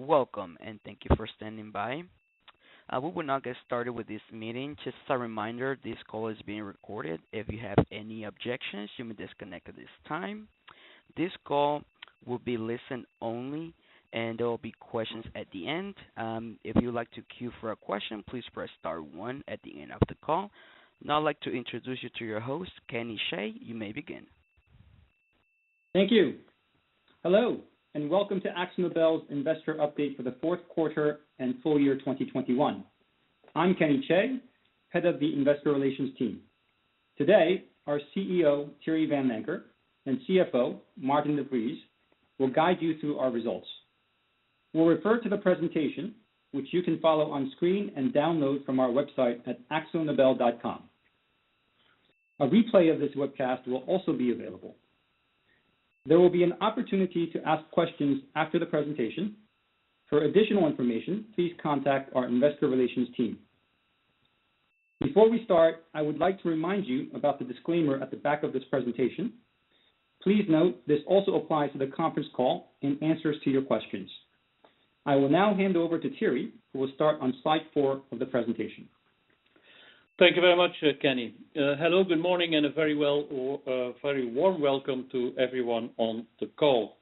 Welcome and thank you for standing by. We will now get started with this meeting. Just a reminder, this call is being recorded. If you have any objections, you may disconnect at this time. This call will be listen only and there will be questions at the end. If you would like to queue for a question, please press star one at the end of the call. Now I'd like to introduce you to your host, Kenny Chae. You may begin. Thank you. Hello, and welcome to AkzoNobel's investor update for the fourth quarter and full year 2021. I'm Kenny Chae, Head of the Investor Relations team. Today, our CEO, Thierry Vanlancker, and CFO, Maarten de Vries, will guide you through our results. We'll refer to the presentation, which you can follow on screen and download from our website at akzonobel.com. A replay of this webcast will also be available. There will be an opportunity to ask questions after the presentation. For additional information, please contact our investor relations team. Before we start, I would like to remind you about the disclaimer at the back of this presentation. Please note this also applies to the conference call and answers to your questions. I will now hand over to Thierry, who will start on slide four of the presentation. Thank you very much, Kenny. Hello, good morning, and a very warm welcome to everyone on the call.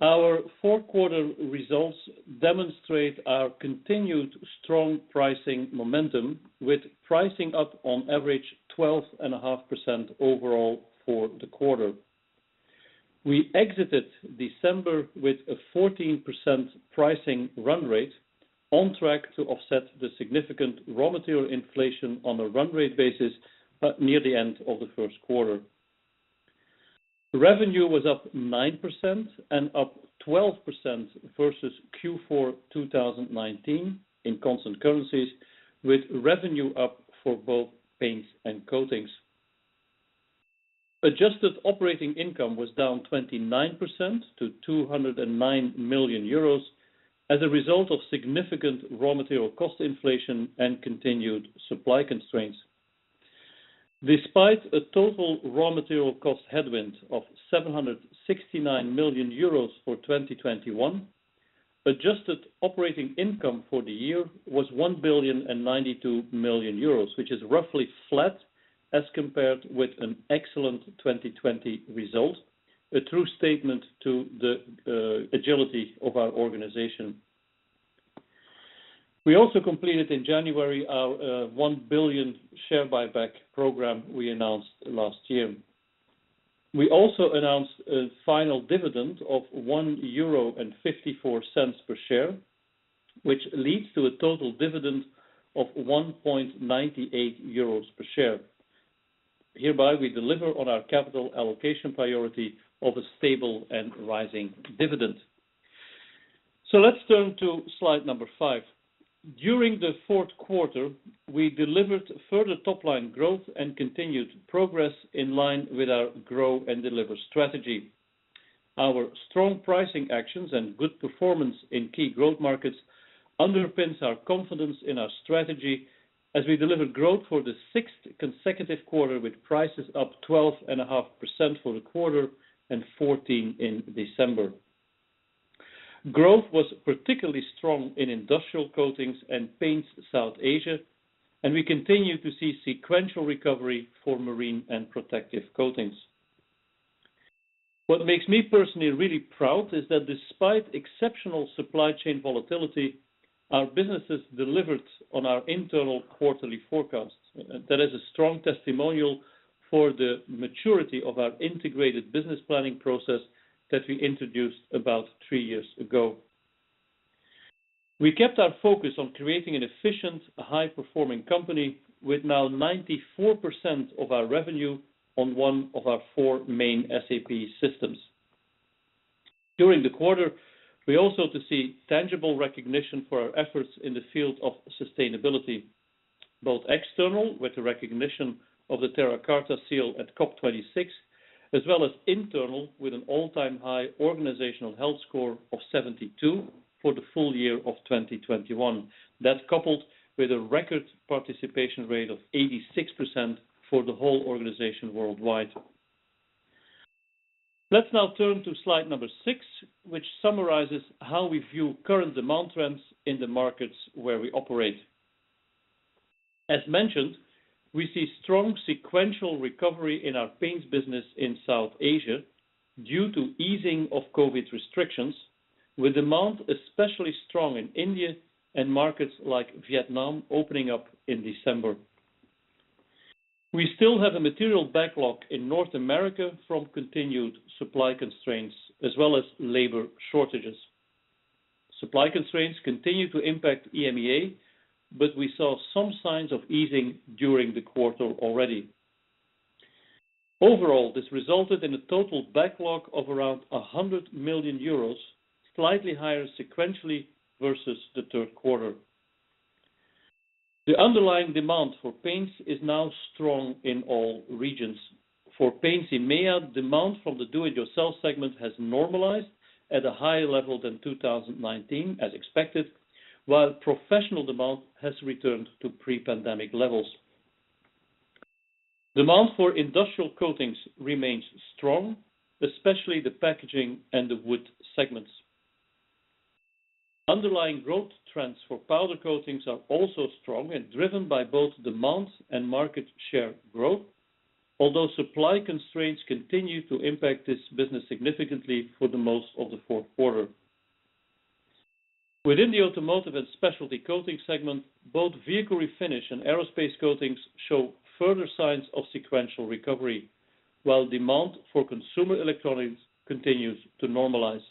Our fourth quarter results demonstrate our continued strong pricing momentum with pricing up on average 12.5% overall for the quarter. We exited December with a 14% pricing run rate on track to offset the significant raw material inflation on a run rate basis near the end of the first quarter. Revenue was up 9% and up 12% versus Q4 2019 in constant currencies, with revenue up for both Paints and Coatings. Adjusted operating income was down 29% to 209 million euros as a result of significant raw material cost inflation and continued supply constraints. Despite a total raw material cost headwind of 769 million euros for 2021, adjusted operating income for the year was 1.092 billion, which is roughly flat as compared with an excellent 2020 result, a true statement to the agility of our organization. We also completed in January our 1 billion share buyback program we announced last year. We also announced a final dividend of 1.54 euro per share, which leads to a total dividend of 1.98 euros per share. Hereby we deliver on our capital allocation priority of a stable and rising dividend. Let's turn to slide five. During the fourth quarter, we delivered further top line growth and continued progress in line with our Grow & Deliver strategy. Our strong pricing actions and good performance in key growth markets underpins our confidence in our strategy as we deliver growth for the sixth consecutive quarter, with prices up 12.5% for the quarter and 14% in December. Growth was particularly strong in Industrial Coatings and Paints South Asia, and we continue to see sequential recovery for Marine and Protective Coatings. What makes me personally really proud is that despite exceptional supply chain volatility, our businesses delivered on our internal quarterly forecasts. That is a strong testimonial for the maturity of our integrated business planning process that we introduced about three years ago. We kept our focus on creating an efficient high-performing company with now 94% of our revenue on one of our four main SAP systems. During the quarter, we also got to see tangible recognition for our efforts in the field of sustainability, both external with the recognition of the Terra Carta Seal at COP26, as well as internal with an all-time high organizational health score of 72 for the full year of 2021. That's coupled with a record participation rate of 86% for the whole organization worldwide. Let's now turn to slide six, which summarizes how we view current demand trends in the markets where we operate. As mentioned, we see strong sequential recovery in our Paints business in South Asia due to easing of COVID restrictions, with demand especially strong in India and markets like Vietnam opening up in December. We still have a material backlog in North America from continued supply constraints as well as labor shortages. Supply constraints continue to impact EMEA, but we saw some signs of easing during the quarter already. Overall, this resulted in a total backlog of around 100 million euros, slightly higher sequentially versus the third quarter. The underlying demand for paints is now strong in all regions. For Paints EMEA, demand from the do it yourself segment has normalized at a higher level than 2019 as expected, while professional demand has returned to pre-pandemic levels. Demand for Industrial Coatings remains strong, especially the packaging and the wood segments. Underlying growth trends for Powder Coatings are also strong and driven by both demand and market share growth. Although supply constraints continue to impact this business significantly for the most of the fourth quarter. Within the Automotive and Specialty Coatings segment, both vehicle refinish and aerospace coatings show further signs of sequential recovery, while demand for consumer electronics continues to normalize.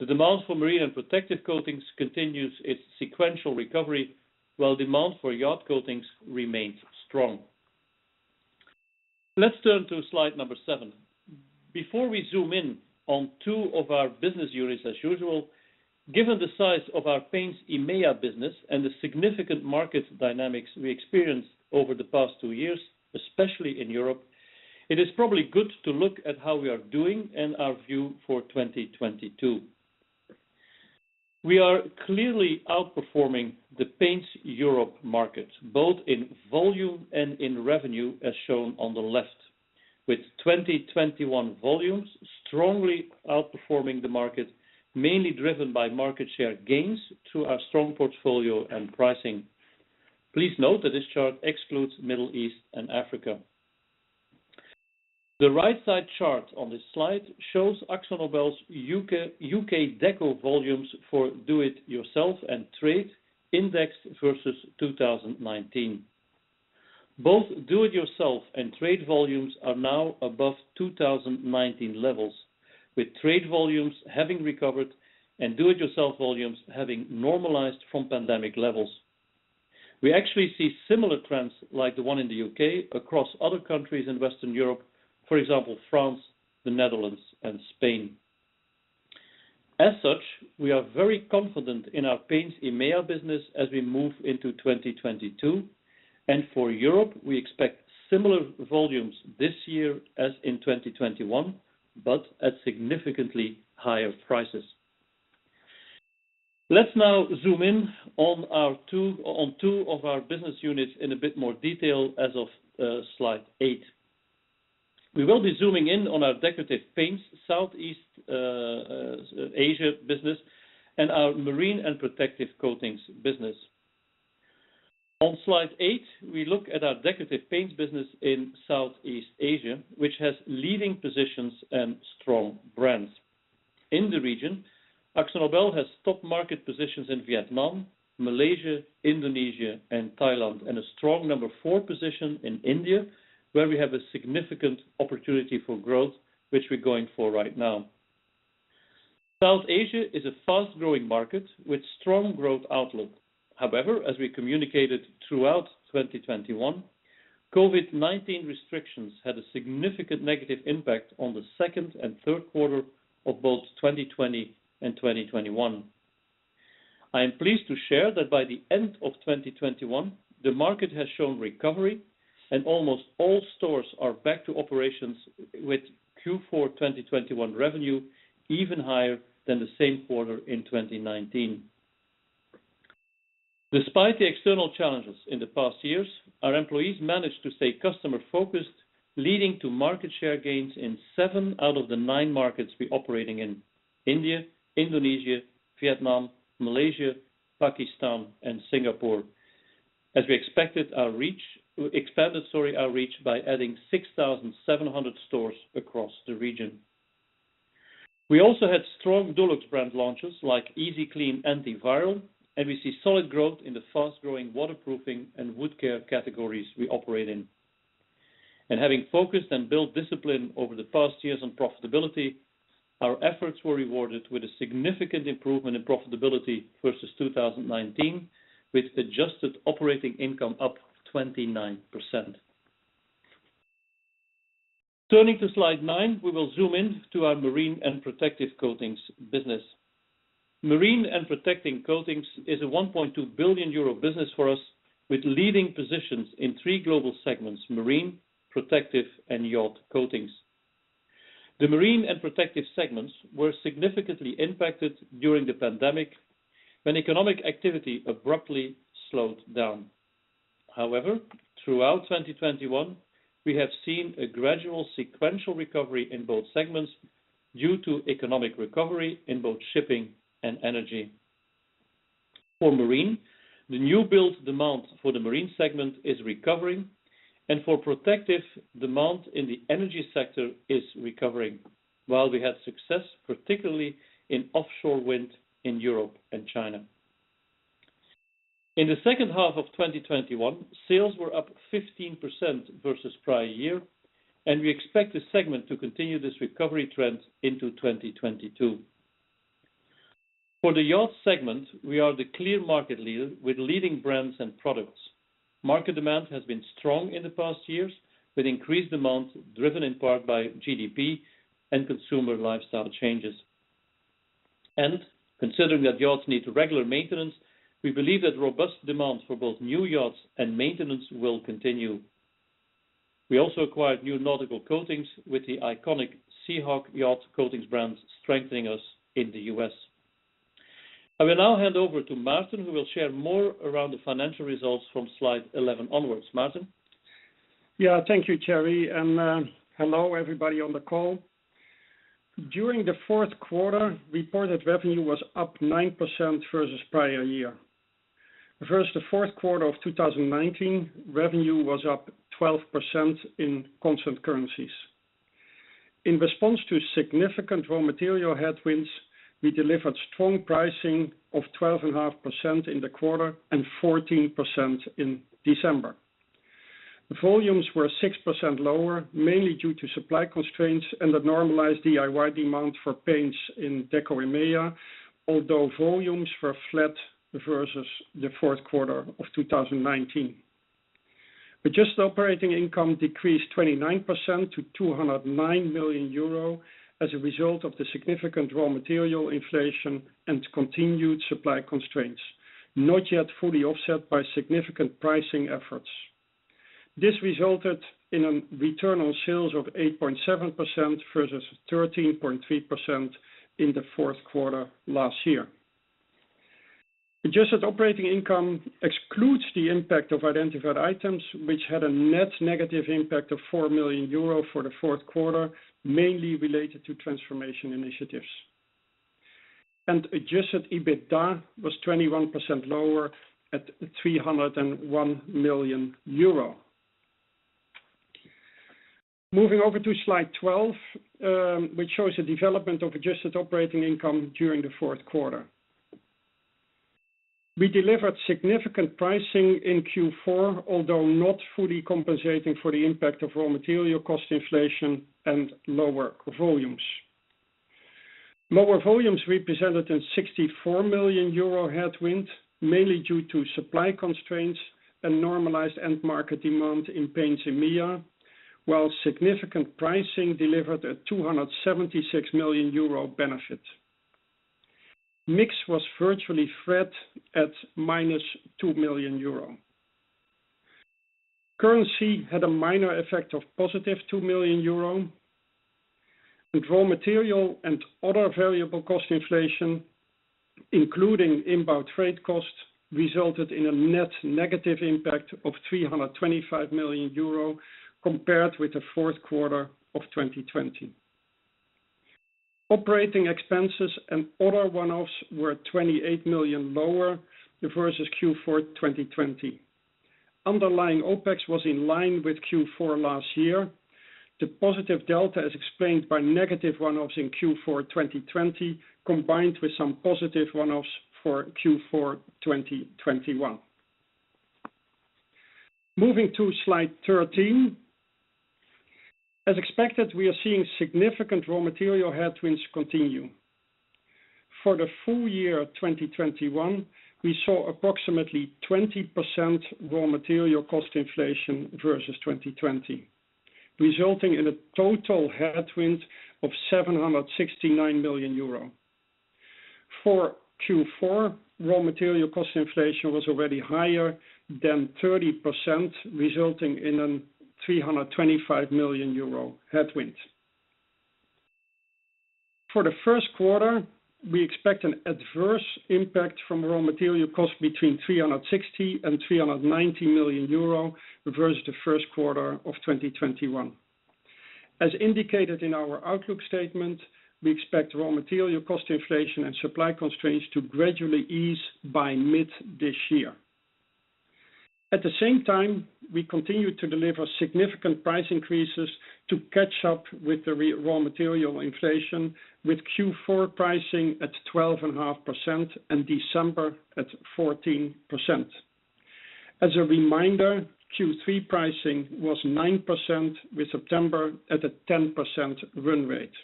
The demand for Marine and Protective Coatings continues its sequential recovery, while demand for Yacht Coatings remains strong. Let's turn to slide number seven. Before we zoom in on two of our business units as usual, given the size of our Paints EMEA business and the significant market dynamics we experienced over the past two years, especially in Europe, it is probably good to look at how we are doing and our view for 2022. We are clearly outperforming the Paints Europe market, both in volume and in revenue, as shown on the left, with 2021 volumes strongly outperforming the market, mainly driven by market share gains through our strong portfolio and pricing. Please note that this chart excludes Middle East and Africa. The right side chart on this slide shows AkzoNobel's U.K. deco volumes for do it yourself and trade indexed versus 2019. Both do it yourself and trade volumes are now above 2019 levels, with trade volumes having recovered and do it yourself volumes having normalized from pandemic levels. We actually see similar trends like the one in the U.K. across other countries in Western Europe, for example, France, the Netherlands, and Spain. As such, we are very confident in our Paints EMEA business as we move into 2022. For Europe, we expect similar volumes this year as in 2021, but at significantly higher prices. Let's now zoom in on two of our business units in a bit more detail as of slide eight. We will be zooming in on our Decorative Paints Southeast Asia business and our Marine and Protective Coatings business. On slide eight, we look at our Decorative Paints business in Southeast Asia, which has leading positions and strong brands. In the region, AkzoNobel has top market positions in Vietnam, Malaysia, Indonesia, and Thailand, and a strong number four position in India, where we have a significant opportunity for growth, which we're going for right now. South Asia is a fast-growing market with strong growth outlook. However, as we communicated throughout 2021, COVID-19 restrictions had a significant negative impact on the second and third quarter of both 2020 and 2021. I am pleased to share that by the end of 2021, the market has shown recovery, and almost all stores are back to operations with Q4 2021 revenue even higher than the same quarter in 2019. Despite the external challenges in the past years, our employees managed to stay customer-focused, leading to market share gains in seven out of the nine markets we're operating in India, Indonesia, Vietnam, Malaysia, Pakistan, and Singapore. As we expanded our reach by adding 6,700 stores across the region. We also had strong Dulux brand launches like EasyClean Anti-Viral, and we see solid growth in the fast-growing waterproofing and wood care categories we operate in. Having focused and built discipline over the past years on profitability, our efforts were rewarded with a significant improvement in profitability versus 2019, with adjusted operating income up 29%. Turning to slide nine, we will zoom in to our Marine and Protective Coatings business. Marine and Protective Coatings is a 1.2 billion euro business for us, with leading positions in three global segments, Marine, Protective, and Yacht Coatings. The Marine and Protective segments were significantly impacted during the pandemic when economic activity abruptly slowed down. However, throughout 2021, we have seen a gradual sequential recovery in both segments due to economic recovery in both shipping and energy. For Marine, the new build demand for the Marine segment is recovering, and for Protective, demand in the energy sector is recovering. While we had success, particularly in offshore wind in Europe and China. In the second half of 2021, sales were up 15% versus prior year, and we expect the segment to continue this recovery trend into 2022. For the yacht segment, we are the clear market leader with leading brands and products. Market demand has been strong in the past years, with increased demand driven in part by GDP and consumer lifestyle changes. Considering that yachts need regular maintenance, we believe that robust demand for both new yachts and maintenance will continue. We also acquired New Nautical Coatings with the iconic Sea Hawk Yacht Coatings brand strengthening us in the U.S. I will now hand over to Maarten, who will share more around the financial results from slide 11 onwards. Maarten? Yeah, thank you, Thierry. Hello, everybody on the call. During the fourth quarter, reported revenue was up 9% versus prior year. Versus the fourth quarter of 2019, revenue was up 12% in constant currencies. In response to significant raw material headwinds, we delivered strong pricing of 12.5% in the quarter and 14% in December. The volumes were 6% lower, mainly due to supply constraints and the normalized DIY demand for paints in Deco EMEA, although volumes were flat versus the fourth quarter of 2019. Adjusted operating income decreased 29% to 209 million euro as a result of the significant raw material inflation and continued supply constraints, not yet fully offset by significant pricing efforts. This resulted in a return on sales of 8.7% versus 13.3% in the fourth quarter last year. Adjusted operating income excludes the impact of identified items, which had a net negative impact of 4 million euro for the fourth quarter, mainly related to transformation initiatives. Adjusted EBITDA was 21% lower at EUR 301 million. Moving over to slide 12, which shows the development of adjusted operating income during the fourth quarter. We delivered significant pricing in Q4, although not fully compensating for the impact of raw material cost inflation and lower volumes. Lower volumes represented a 64 million euro headwind, mainly due to supply constraints and normalized end market demand in Paints EMEA, while significant pricing delivered a 276 million euro benefit. Mix was virtually flat at -2 million euro. Currency had a minor effect of +2 million euro. With raw material and other variable cost inflation, including inbound freight costs, resulted in a net negative impact of 325 million euro compared with the fourth quarter of 2020. Operating expenses and other one-offs were 28 million lower versus Q4 2020. Underlying OpEx was in line with Q4 last year. The positive delta is explained by negative one-offs in Q4 2020, combined with some positive one-offs for Q4 2021. Moving to slide 13. As expected, we are seeing significant raw material headwinds continue. For the full year 2021, we saw approximately 20% raw material cost inflation versus 2020, resulting in a total headwind of 769 million euro. For Q4, raw material cost inflation was already higher than 30%, resulting in a EUR 325 million headwind. For the first quarter, we expect an adverse impact from raw material cost between 360 million-390 million euro versus the first quarter of 2021. As indicated in our outlook statement, we expect raw material cost inflation and supply constraints to gradually ease by mid this year. At the same time, we continue to deliver significant price increases to catch up with the raw material inflation, with Q4 pricing at 12.5% and December at 14%. As a reminder, Q3 pricing was 9%, with September at a 10% run rate.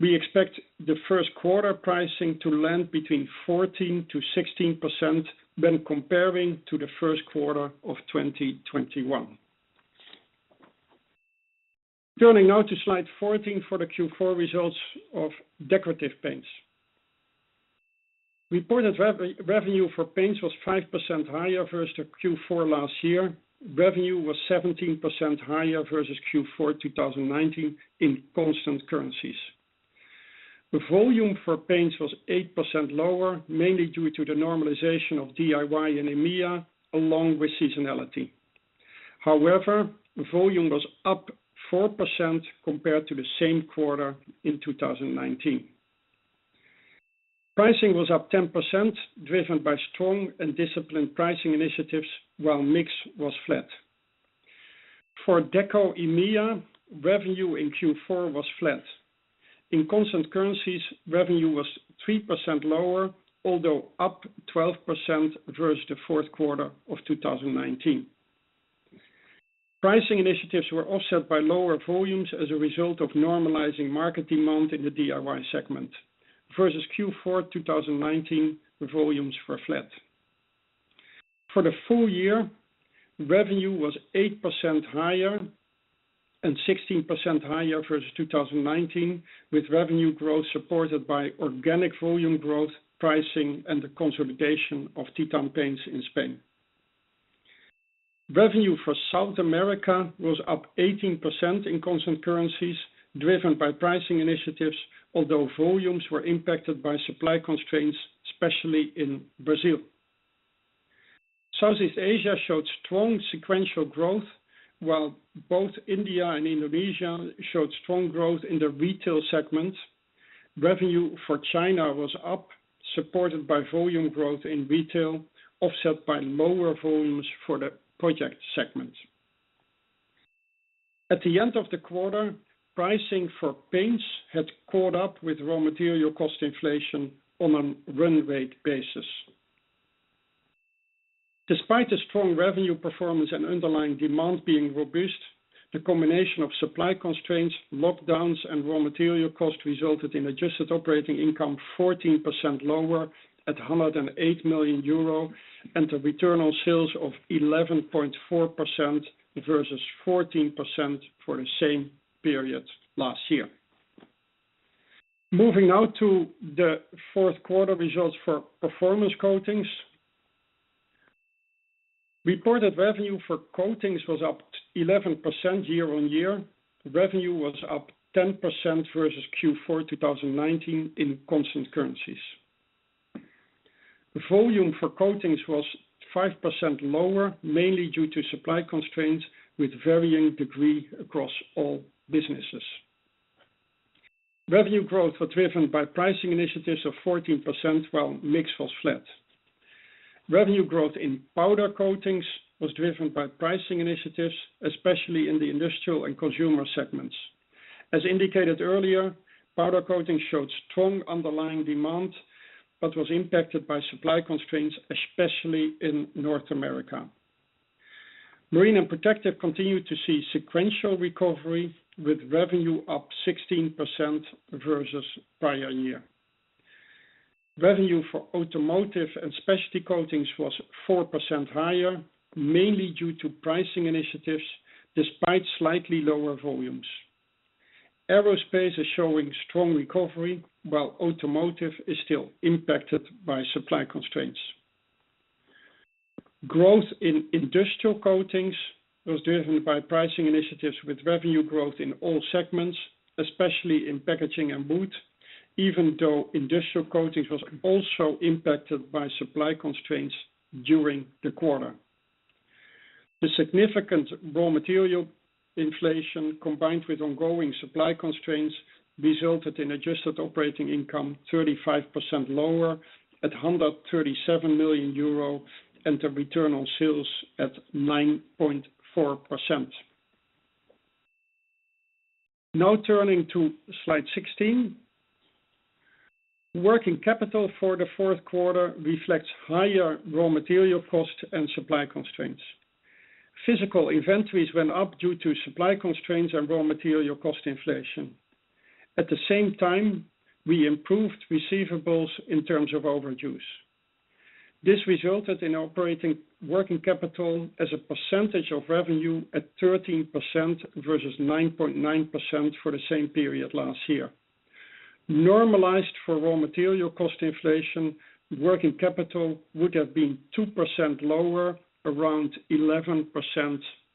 We expect the first quarter pricing to land between 14%-16% when comparing to the first quarter of 2021. Turning now to slide 14 for the Q4 results of Decorative Paints. Reported revenue for paints was 5% higher versus the Q4 last year. Revenue was 17% higher versus Q4 2019 in constant currencies. The volume for paints was 8% lower, mainly due to the normalization of DIY in EMEA, along with seasonality. However, volume was up 4% compared to the same quarter in 2019. Pricing was up 10%, driven by strong and disciplined pricing initiatives while mix was flat. For Deco EMEA, revenue in Q4 was flat. In constant currencies, revenue was 3% lower, although up 12% versus Q4 2019. Pricing initiatives were offset by lower volumes as a result of normalizing market demand in the DIY segment. Versus Q4 2019, the volumes were flat. For the full year, revenue was 8% higher and 16% higher versus 2019, with revenue growth supported by organic volume growth, pricing and the consolidation of Titan Paints in Spain. Revenue for South America was up 18% in constant currencies driven by pricing initiatives, although volumes were impacted by supply constraints, especially in Brazil. Southeast Asia showed strong sequential growth, while both India and Indonesia showed strong growth in the retail segment. Revenue for China was up, supported by volume growth in retail, offset by lower volumes for the project segment. At the end of the quarter, pricing for paints had caught up with raw material cost inflation on a run rate basis. Despite the strong revenue performance and underlying demand being robust, the combination of supply constraints, lockdowns, and raw material costs resulted in adjusted operating income 14% lower at 108 million euro and a return on sales of 11.4% versus 14% for the same period last year. Moving now to the fourth quarter results for Performance Coatings. Reported revenue for coatings was up 11% year-on-year. Revenue was up 10% versus Q4 2019 in constant currencies. Volume for coatings was 5% lower, mainly due to supply constraints with varying degree across all businesses. Revenue growth was driven by pricing initiatives of 14%, while mix was flat. Revenue growth in Powder Coatings was driven by pricing initiatives, especially in the industrial and consumer segments. As indicated earlier, Powder Coatings showed strong underlying demand, but was impacted by supply constraints, especially in North America. Marine and Protective Coatings continued to see sequential recovery with revenue up 16% versus prior year. Revenue for Automotive and Specialty Coatings was 4% higher, mainly due to pricing initiatives despite slightly lower volumes. Aerospace is showing strong recovery while automotive is still impacted by supply constraints. Growth in Industrial Coatings was driven by pricing initiatives with revenue growth in all segments, especially in packaging and wood, even though Industrial Coatings was also impacted by supply constraints during the quarter. The significant raw material inflation combined with ongoing supply constraints resulted in adjusted operating income 35% lower at 137 million euro and a return on sales at 9.4%. Now turning to slide 16. Working capital for the fourth quarter reflects higher raw material costs and supply constraints. Physical inventories went up due to supply constraints and raw material cost inflation. At the same time, we improved receivables in terms of overdues. This resulted in operating working capital as a percentage of revenue at 13% versus 9.9% for the same period last year. Normalized for raw material cost inflation, working capital would have been 2% lower, around 11%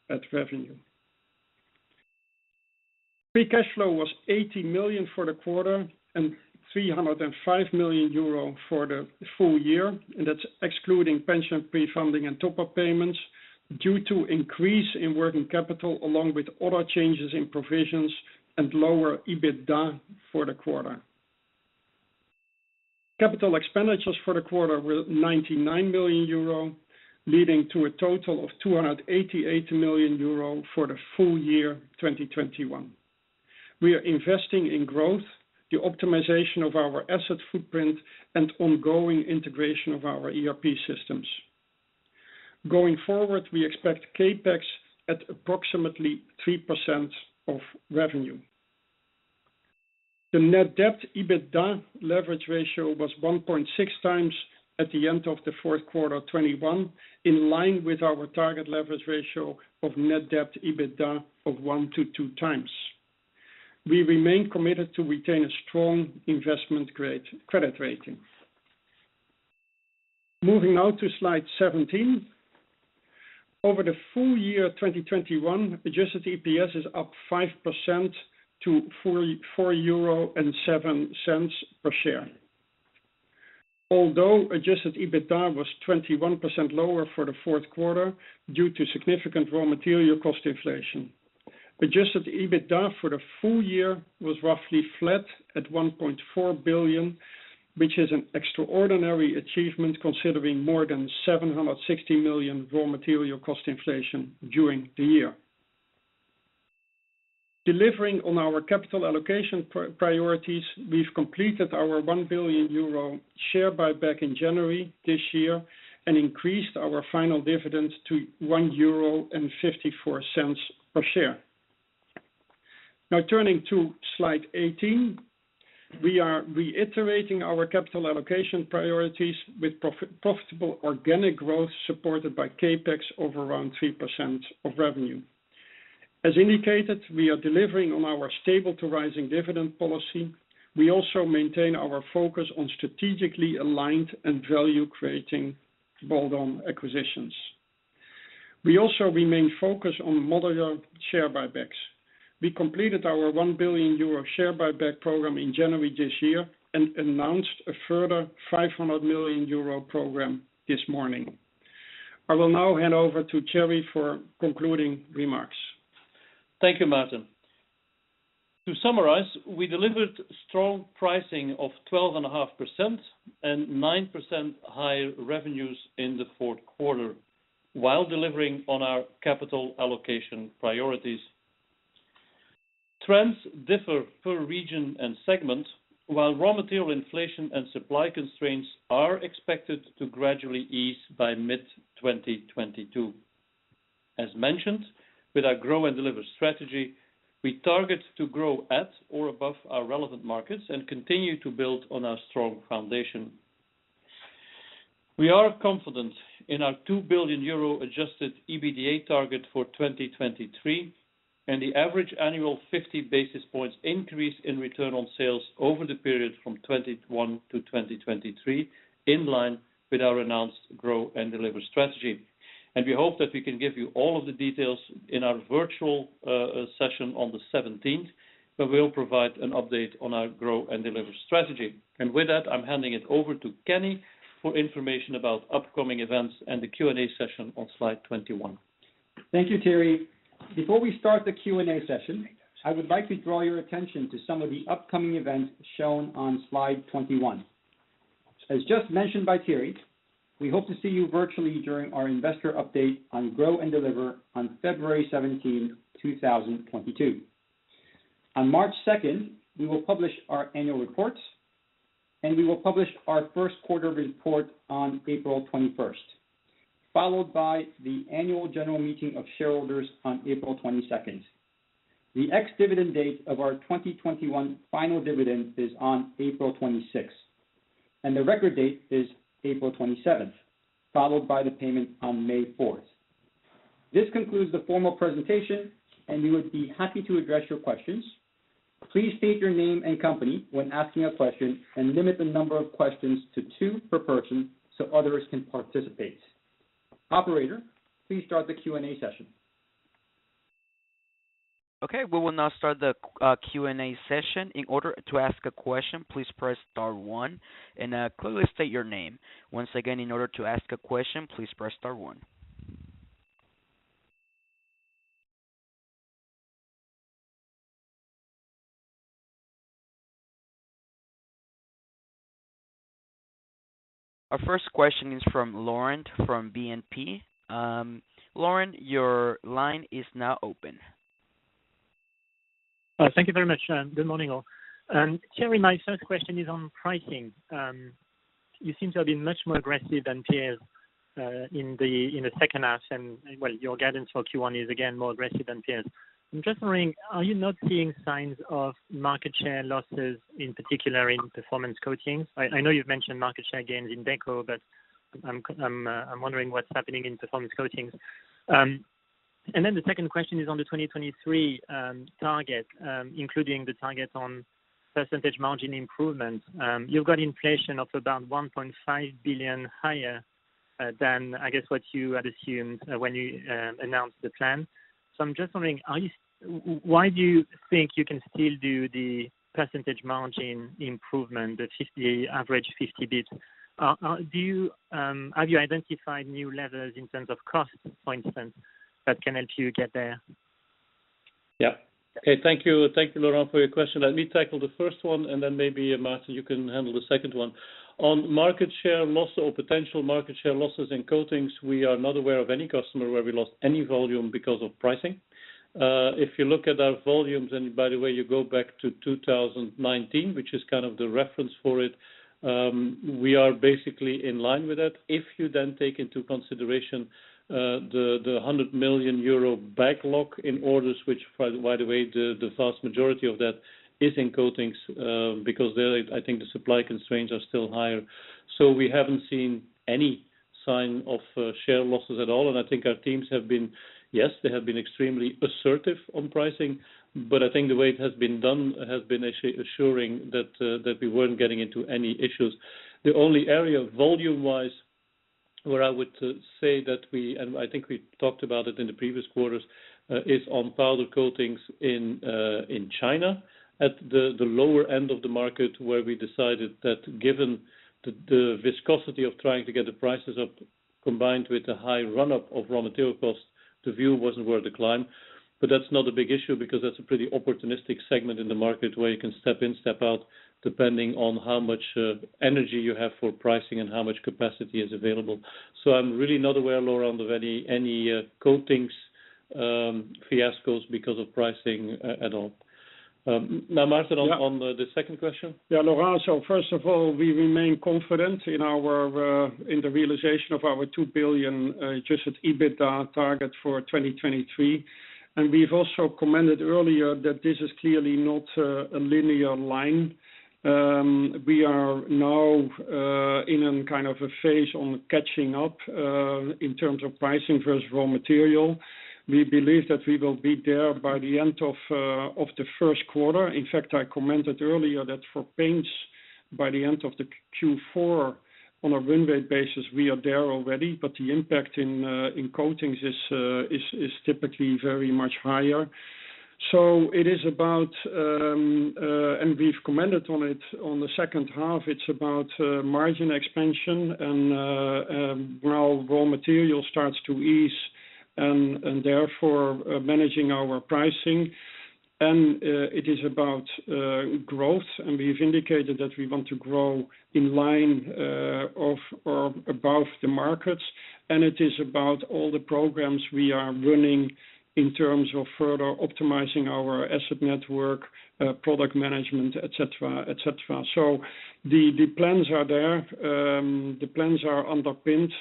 of revenue. Free cash flow was 80 million for the quarter and 305 million euro for the full year. That's excluding pension pre-funding and top-up payments due to increase in working capital along with other changes in provisions and lower EBITDA for the quarter. Capital expenditures for the quarter were 99 million euro, leading to a total of 288 million euro for the full year 2021. We are investing in growth, the optimization of our asset footprint, and ongoing integration of our ERP systems. Going forward, we expect CapEx at approximately 3% of revenue. The net debt/EBITDA leverage ratio was 1.6x at the end of the fourth quarter 2021, in line with our target leverage ratio of net debt/EBITDA of one to two times. We remain committed to retain a strong investment grade credit rating. Moving now to slide 17. Over the full year 2021, adjusted EPS is up 5% to 4.07 euro per share. Although adjusted EBITDA was 21% lower for the fourth quarter due to significant raw material cost inflation. Adjusted EBITDA for the full year was roughly flat at 1.4 billion, which is an extraordinary achievement considering more than 760 million raw material cost inflation during the year. Delivering on our capital allocation priorities, we've completed our 1 billion euro share buyback in January this year and increased our final dividend to 1.54 euro per share. Now turning to slide 18. We are reiterating our capital allocation priorities with profitable organic growth supported by CapEx of around 3% of revenue. As indicated, we are delivering on our stable to rising dividend policy. We also maintain our focus on strategically aligned and value creating bolt-on acquisitions. We also remain focused on moderate share buybacks. We completed our 1 billion euro share buyback program in January this year and announced a further 500 million euro program this morning. I will now hand over to Thierry for concluding remarks. Thank you, Maarten. To summarize, we delivered strong pricing of 12.5% and 9% higher revenues in the fourth quarter while delivering on our capital allocation priorities. Trends differ per region and segment, while raw material inflation and supply constraints are expected to gradually ease by mid-2022. As mentioned, with our Grow & Deliver strategy, we target to grow at or above our relevant markets and continue to build on our strong foundation. We are confident in our 2 billion euro adjusted EBITDA target for 2023 and the average annual 50 basis points increase in return on sales over the period from 2021 to 2023, in line with our announced Grow & Deliver strategy. We hope that we can give you all of the details in our virtual session on the 17th, where we'll provide an update on our Grow and Deliver strategy. With that, I'm handing it over to Kenny for information about upcoming events and the Q&A session on slide 21. Thank you, Thierry. Before we start the Q&A session, I would like to draw your attention to some of the upcoming events shown on slide 21. As just mentioned by Thierry, we hope to see you virtually during our investor update on Grow & Deliver on February 17th, 2022. On March 2nd, we will publish our annual reports, and we will publish our first quarter report on April 21st, followed by the annual general meeting of shareholders on April 22nd. The ex-dividend date of our 2021 final dividend is on April 26th, and the record date is April 27th, followed by the payment on May 4th. This concludes the formal presentation, and we would be happy to address your questions. Please state your name and company when asking a question and limit the number of questions to two per person so others can participate. Operator, please start the Q&A session. Okay, we will now start the Q&A session. In order to ask a question, please press star one and clearly state your name. Once again, in order to ask a question, please press star one. Our first question is from Laurent from BNP. Laurent, your line is now open. Thank you very much. Good morning, all. Thierry, my first question is on pricing. You seem to have been much more aggressive than peers in the second half, and your guidance for Q1 is again more aggressive than peers. I'm just wondering, are you not seeing signs of market share losses in particular in Performance Coatings? I know you've mentioned market share gains in deco, but I'm wondering what's happening in Performance Coatings. The second question is on the 2023 target, including the target on percentage margin improvement. You've got inflation of about 1.5 billion higher than I guess what you had assumed when you announced the plan. I'm just wondering, why do you think you can still do the percentage margin improvement, the average 50 basis points? Have you identified new levers in terms of costs, for instance, that can help you get there? Okay, thank you. Thank you, Laurent, for your question. Let me tackle the first one, and then maybe, Maarten, you can handle the second one. On market share loss or potential market share losses in coatings, we are not aware of any customer where we lost any volume because of pricing. If you look at our volumes, and by the way, you go back to 2019, which is kind of the reference for it, we are basically in line with that. If you then take into consideration the hundred million Euro backlog in orders, which by the way, the vast majority of that is in coatings, because there I think the supply constraints are still higher. We haven't seen any sign of share losses at all, and I think our teams have been, yes, they have been extremely assertive on pricing, but I think the way it has been done has been assuring that we weren't getting into any issues. The only area volume-wise where I would say that we, and I think we talked about it in the previous quarters, is on Powder Coatings in China at the lower end of the market, where we decided that given the viscosity of trying to get the prices up combined with the high run-up of raw material costs, the view wasn't worth the climb. That's not a big issue because that's a pretty opportunistic segment in the market where you can step in, step out, depending on how much energy you have for pricing and how much capacity is available. I'm really not aware, Laurent, of any coatings fiascos because of pricing at all. Now, Maarten- Yeah. On the second question. Yeah, Laurent. First of all, we remain confident in our in the realization of our 2 billion adjusted EBITDA target for 2023. We've also commented earlier that this is clearly not a linear line. We are now in a kind of a phase on catching up in terms of pricing versus raw material. We believe that we will be there by the end of the first quarter. In fact, I commented earlier that for paints, by the end of the Q4 on a win rate basis, we are there already, but the impact in coatings is typically very much higher. It is about, and we've commented on it in the second half, it's about margin expansion and raw material starts to ease and therefore managing our pricing. It is about growth, and we've indicated that we want to grow in line or above the markets. It is about all the programs we are running in terms of further optimizing our asset network, product management, et cetera. The plans are there. The plans are underpinned,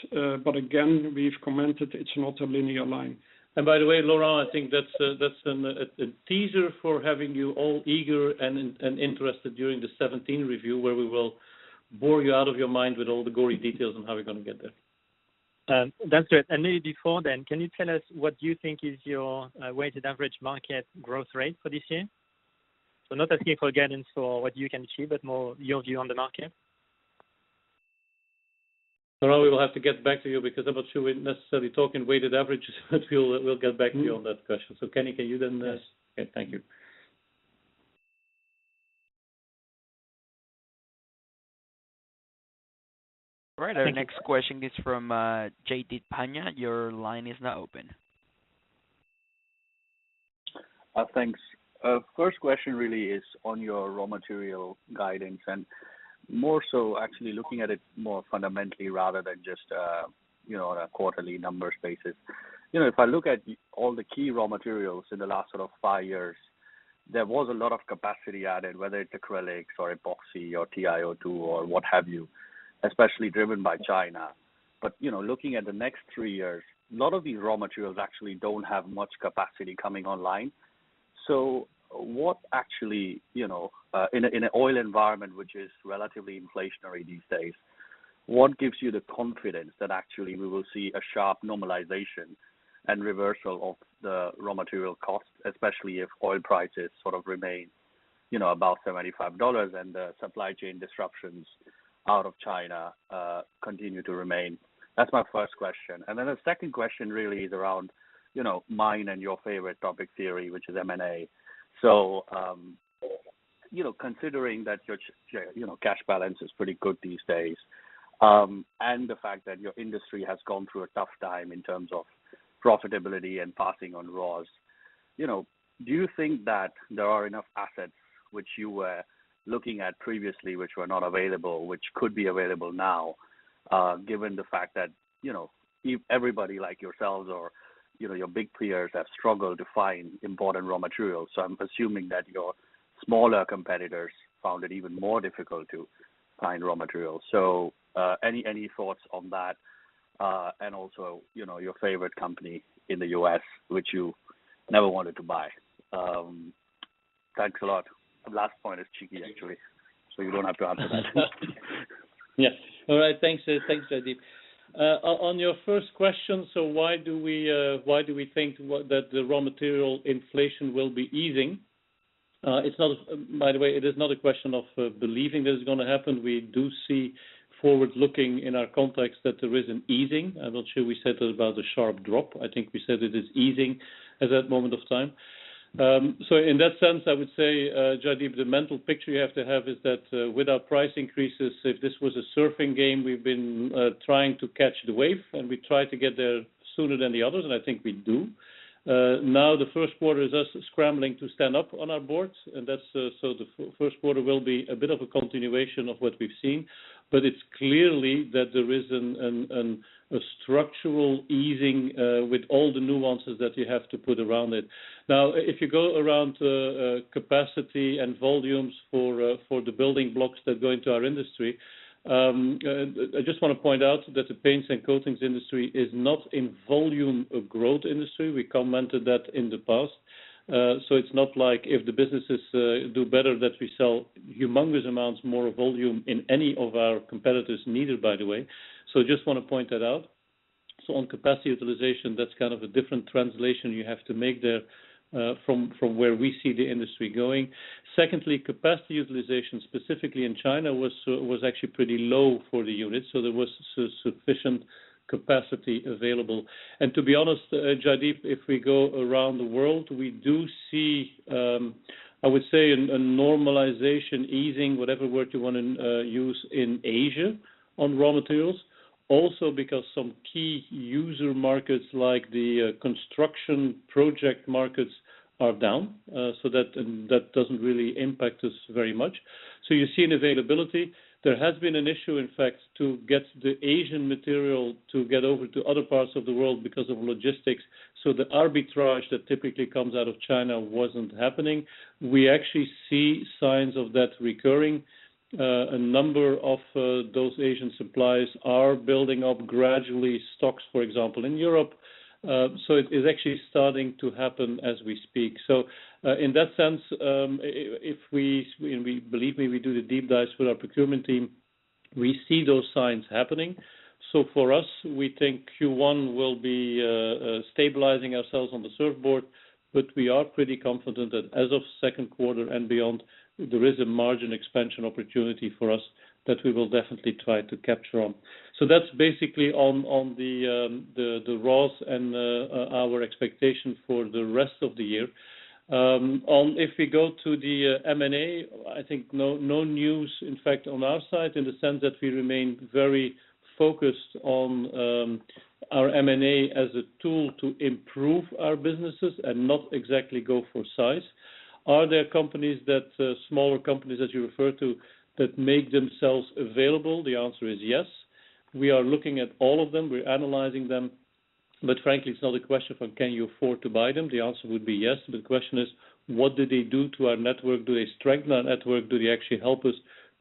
but again, we've commented it's not a linear line. By the way, Laurent, I think that's a teaser for having you all eager and interested during the 17 review where we will bore you out of your mind with all the gory details on how we're gonna get there. That's it. Maybe before then, can you tell us what you think is your weighted average market growth rate for this year? Not asking for guidance for what you can achieve, but more your view on the market. Well, we will have to get back to you because I'm not sure we necessarily talk in weighted averages, but we'll get back to you on that question. Kenny, can you then... Yes. Okay, thank you. All right. Our next question is from Jaideep Pandya. Your line is now open. Thanks. First question really is on your raw material guidance and more so actually looking at it more fundamentally rather than just, you know, on a quarterly numbers basis. You know, if I look at all the key raw materials in the last sort of five years, there was a lot of capacity added, whether it's acrylic or epoxy or TIO2 or what have you, especially driven by China. You know, looking at the next three years, a lot of these raw materials actually don't have much capacity coming online. What actually, you know, in an oil environment, which is relatively inflationary these days, what gives you the confidence that actually we will see a sharp normalization and reversal of the raw material costs, especially if oil prices sort of remain, you know, above $75 and the supply chain disruptions out of China continue to remain? That's my first question. Then the second question really is around, you know, mine and your favorite topic, Thierry, which is M&A. You know, considering that your cash balance is pretty good these days, and the fact that your industry has gone through a tough time in terms of profitability and passing on raws, you know, do you think that there are enough assets which you were looking at previously which were not available, which could be available now, given the fact that, you know, everybody like yourselves or, you know, your big peers have struggled to find important raw materials. I'm assuming that your smaller competitors found it even more difficult to find raw materials. Any thoughts on that? And also, you know, your favorite company in the U.S., which you never wanted to buy. Thanks a lot. The last point is cheeky, actually, so you don't have to answer that. Yes. All right. Thanks, Jaideep. On your first question, why do we think that the raw material inflation will be easing? By the way, it is not a question of believing that it's gonna happen. We do see forward-looking in our context that there is an easing. I'm not sure we said it about a sharp drop. I think we said it is easing at that moment of time. In that sense, I would say, Jaideep, the mental picture you have to have is that, with our price increases, if this was a surfing game, we've been trying to catch the wave, and we try to get there sooner than the others, and I think we do. Now the first quarter is us scrambling to stand up on our boards, and that's so the first quarter will be a bit of a continuation of what we've seen. It's clearly that there is a structural easing with all the nuances that you have to put around it. If you go around capacity and volumes for the building blocks that go into our industry, I just wanna point out that the paints and coatings industry is not in volume a growth industry. We commented that in the past. It's not like if the businesses do better that we sell humongous amounts more volume than any of our competitors need, by the way. Just wanna point that out. On capacity utilization, that's kind of a different translation you have to make there, from where we see the industry going. Secondly, capacity utilization, specifically in China, was actually pretty low for the units, so there was sufficient capacity available. To be honest, Jaideep, if we go around the world, we do see, I would say a normalization easing, whatever word you wanna use in Asia on raw materials. Because some key user markets like the construction project markets are down, so that, and that doesn't really impact us very much. You see an availability. There has been an issue, in fact, to get the Asian material to get over to other parts of the world because of logistics. The arbitrage that typically comes out of China wasn't happening. We actually see signs of that recurring. A number of those Asian suppliers are building up gradually stocks, for example, in Europe. It is actually starting to happen as we speak. In that sense, believe me, we do the deep dives with our procurement team. We see those signs happening. For us, we think Q1 will be stabilizing ourselves on the surfboard, but we are pretty confident that as of second quarter and beyond, there is a margin expansion opportunity for us that we will definitely try to capture on. That's basically on the raws and our expectation for the rest of the year. If we go to the M&A, I think no news, in fact, on our side, in the sense that we remain very focused on our M&A as a tool to improve our businesses and not exactly go for size. Are there companies that smaller companies, as you refer to, that make themselves available? The answer is yes. We are looking at all of them. We're analyzing them. Frankly, it's not a question of can you afford to buy them? The answer would be yes. The question is, what do they do to our network? Do they strengthen our network? Do they actually help us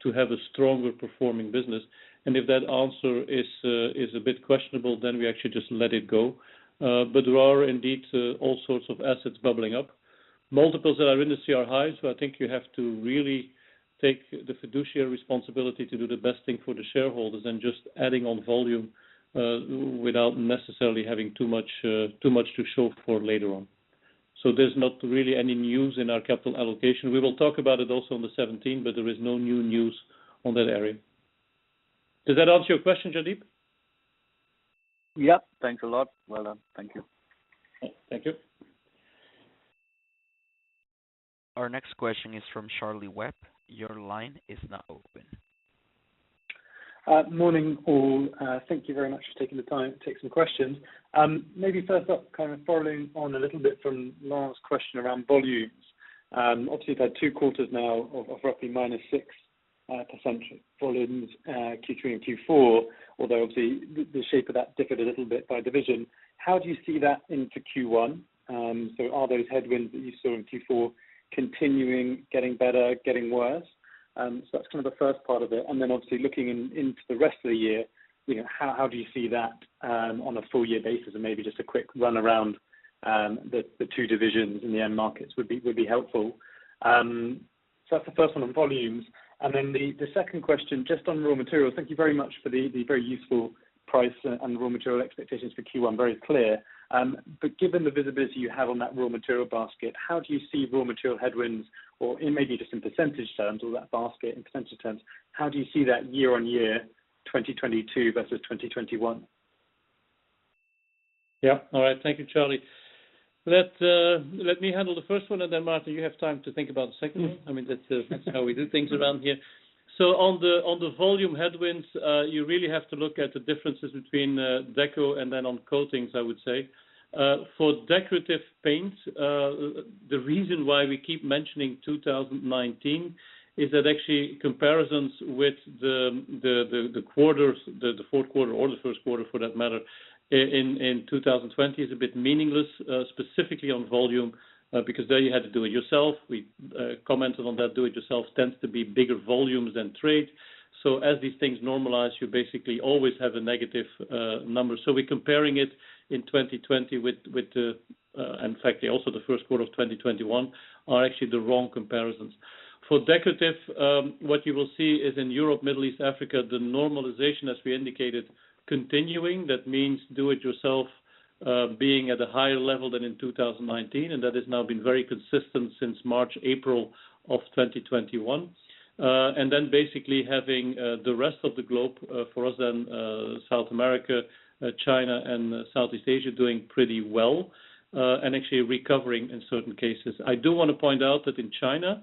to have a stronger performing business? If that answer is a bit questionable, then we actually just let it go. There are indeed all sorts of assets bubbling up. Multiples that are in the CR highs, so I think you have to really take the fiduciary responsibility to do the best thing for the shareholders than just adding on volume, without necessarily having too much to show for later on. There's not really any news in our capital allocation. We will talk about it also on the 17th, but there is no new news on that area. Does that answer your question, Jaideep? Yeah. Thanks a lot. Well done. Thank you. Thank you. Our next question is from Charlie Webb. Your line is now open. Morning, all. Thank you very much for taking the time to take some questions. Maybe first up, kind of following on a little bit from last question around volumes. Obviously you've had two quarters now of roughly -6% volumes, Q3 and Q4, although obviously the shape of that differed a little bit by division. How do you see that into Q1? Are those headwinds that you saw in Q4 continuing, getting better, getting worse? That's kind of the first part of it. Obviously looking into the rest of the year, you know, how do you see that on a full year basis? Maybe just a quick run around the two divisions in the end markets would be helpful. That's the first one on volumes. The second question just on raw materials. Thank you very much for the very useful price and raw material expectations for Q1. Very clear. Given the visibility you have on that raw material basket, how do you see raw material headwinds or in maybe just in percentage terms or that basket in percentage terms, how do you see that year-on-year 2022 versus 2021? Yeah. All right. Thank you, Charlie. Let me handle the first one, and then Maarten, you have time to think about the second one. I mean, that's how we do things around here. On the volume headwinds, you really have to look at the differences between Deco and then on Coatings, I would say. For decorative paints, the reason why we keep mentioning 2019 is that actually comparisons with the quarters, the fourth quarter or the first quarter for that matter in 2020 is a bit meaningless, specifically on volume, because there you had to do it yourself. We commented on that do it yourself tends to be bigger volumes than trade. As these things normalize, you basically always have a negative number. We're comparing it in 2020 with the in fact also the first quarter of 2021 are actually the wrong comparisons. For Decorative what you will see is in Europe, Middle East, Africa, the normalization, as we indicated, continuing. That means do it yourself being at a higher level than in 2019, and that has now been very consistent since March, April of 2021. Then basically having the rest of the globe for us then South America China and Southeast Asia doing pretty well and actually recovering in certain cases. I do want to point out that in China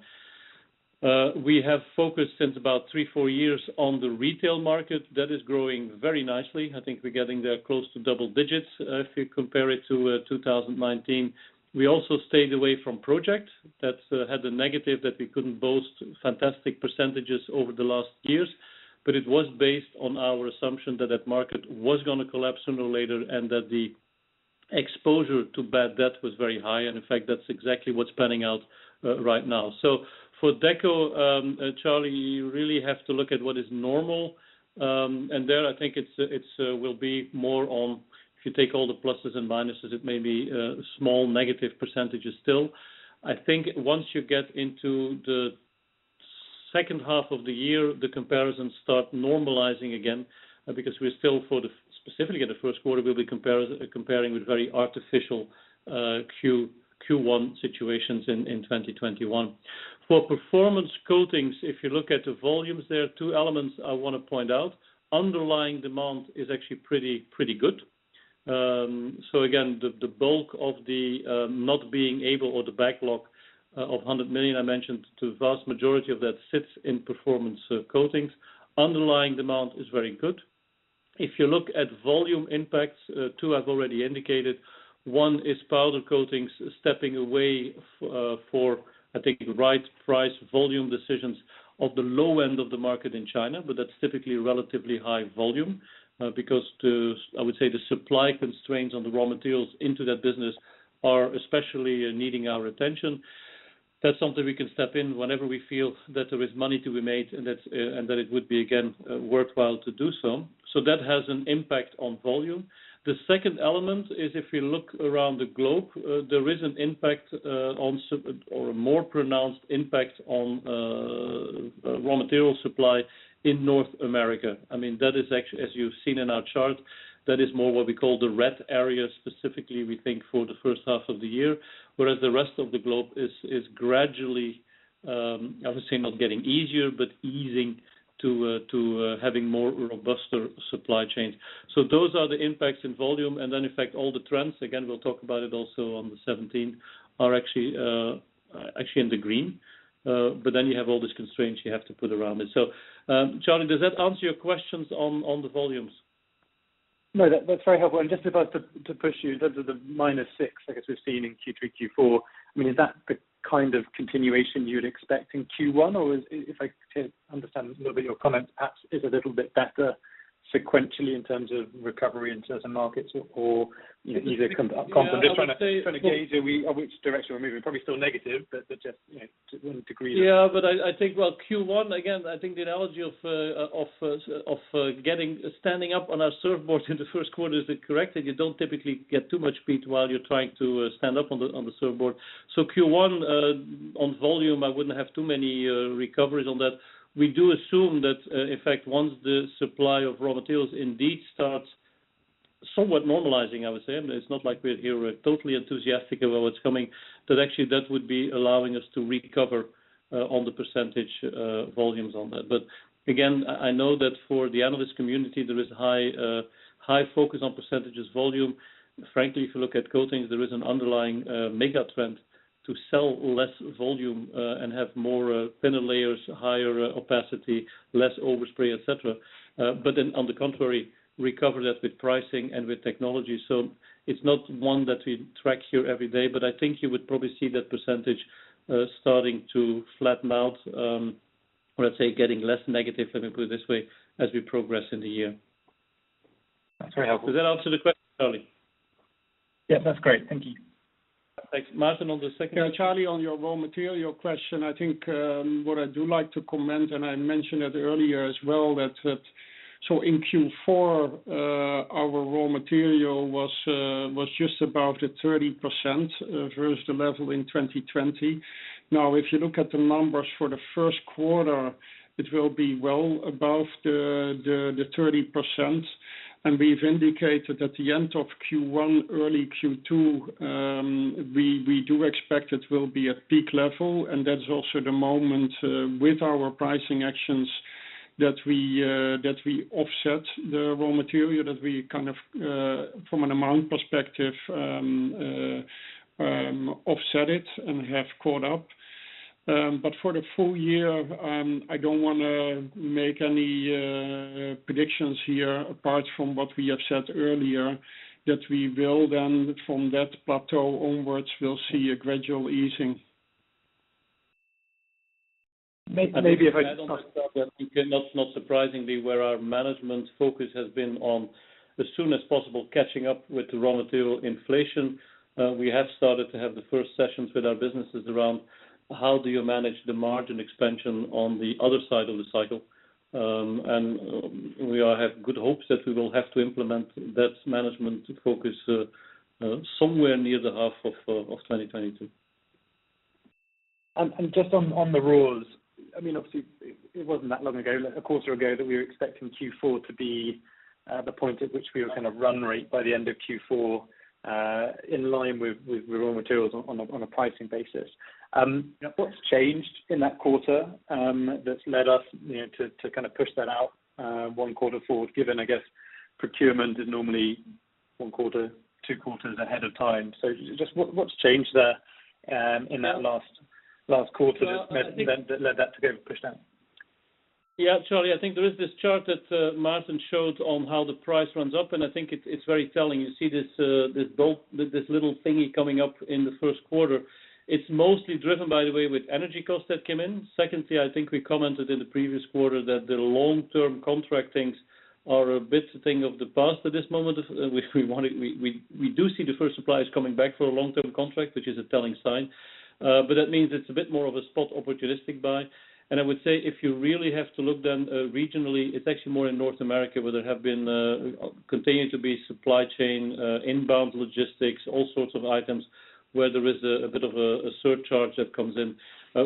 we have focused since about three, four years on the retail market. That is growing very nicely. I think we're getting there close to double digits, if you compare it to 2019. We also stayed away from projects that had the negative that we couldn't boast fantastic percentages over the last years. It was based on our assumption that that market was gonna collapse sooner or later, and that the exposure to bad debt was very high. In fact, that's exactly what's panning out right now. For Deco, Charlie, you really have to look at what is normal. There I think it will be more on if you take all the pluses and minuses, it may be small negative percentages still. I think once you get into the second half of the year, the comparisons start normalizing again, because we're still specifically in the first quarter, we'll be comparing with very artificial Q1 situations in 2021. For Performance Coatings, if you look at the volumes, there are two elements I wanna point out. Underlying demand is actually pretty good. So again, the bulk of the not being able or the backlog of 100 million I mentioned, the vast majority of that sits in Performance Coatings. Underlying demand is very good. If you look at volume impacts, two I've already indicated. One is Powder Coatings stepping away for, I think, right price volume decisions of the low end of the market in China, but that's typically relatively high volume because, I would say, the supply constraints on the raw materials into that business are especially needing our attention. That's something we can step in whenever we feel that there is money to be made and that it would be again worthwhile to do so. So that has an impact on volume. The second element is if you look around the globe, there is an impact on supply or a more pronounced impact on raw material supply in North America. I mean, that is actually, as you've seen in our chart, that is more what we call the red area. Specifically, we think for the first half of the year, whereas the rest of the globe is gradually, I would say not getting easier, but easing to having more robust supply chains. Those are the impacts in volume, and then in fact all the trends, again, we'll talk about it also on the 17th, are actually in the green, but then you have all these constraints you have to put around it. Charlie, does that answer your questions on the volumes? No, that's very helpful. Just about to push you, the minus six, I guess we've seen in Q3, Q4, I mean, is that the kind of continuation you'd expect in Q1? Or if I can understand a little bit your comment, perhaps is a little bit better sequentially in terms of recovery in certain markets or either comp? I'm just trying to gauge which direction we're moving. Probably still negative, but just to what degree. Yeah, I think Q1 again. I think the analogy of standing up on our surfboards in the first quarter is correct, and you don't typically get too much beat while you're trying to stand up on the surfboard. Q1 on volume, I wouldn't have too many recoveries on that. We do assume that in fact, once the supply of raw materials indeed starts somewhat normalizing, I would say. I mean, it's not like we're here totally enthusiastic about what's coming, that actually that would be allowing us to recover on the percentage volumes on that. Again, I know that for the analyst community, there is high focus on percentage volume. Frankly, if you look at coatings, there is an underlying, mega trend to sell less volume, and have more, thinner layers, higher opacity, less overspray, et cetera. But then on the contrary, recover that with pricing and with technology. It's not one that we track here every day, but I think you would probably see that percentage, starting to flatten out, or let's say, getting less negative, let me put it this way, as we progress in the year. That's very helpful. Does that answer the question, Charlie? Yes, that's great. Thank you. Thanks. Maarten, on the second Charlie, on your raw material question, I think what I do like to comment, and I mentioned it earlier as well, that in Q4 our raw material was just above the 30% versus the level in 2020. Now, if you look at the numbers for the first quarter, it will be well above the 30%. We've indicated at the end of Q1, early Q2, we do expect it will be at peak level. That's also the moment with our pricing actions that we offset the raw material, that we kind of from an amount perspective offset it and have caught up. For the full year, I don't wanna make any predictions here, apart from what we have said earlier, that we will then from that plateau onwards, we'll see a gradual easing. Maybe if I just- That's not surprisingly where our management focus has been on as soon as possible catching up with the raw material inflation. We have started to have the first sessions with our businesses around how do you manage the margin expansion on the other side of the cycle. We all have good hopes that we will have to implement that management focus somewhere near the half of 2022. Just on the raws. I mean, obviously, it wasn't that long ago, a quarter ago, that we were expecting Q4 to be the point at which we were kind of run rate by the end of Q4 in line with raw materials on a pricing basis. What's changed in that quarter that's led us, you know, to kind of push that out one quarter forward, given, I guess, procurement is normally one quarter, two quarters ahead of time. So just what's changed there in that last quarter that led that to go push down? Yeah, Charlie, I think there is this chart that Maarten showed on how the price runs up, and I think it's very telling. You see this little thingy coming up in the first quarter. It's mostly driven, by the way, with energy costs that came in. Secondly, I think we commented in the previous quarter that the long-term contract things are a bit of a thing of the past at this moment. We do see the first suppliers coming back for a long-term contract, which is a telling sign, but that means it's a bit more of a spot opportunistic buy. I would say if you really have to look then, regionally, it's actually more in North America, where there continue to be supply chain, inbound logistics, all sorts of items where there is a bit of a surcharge that comes in.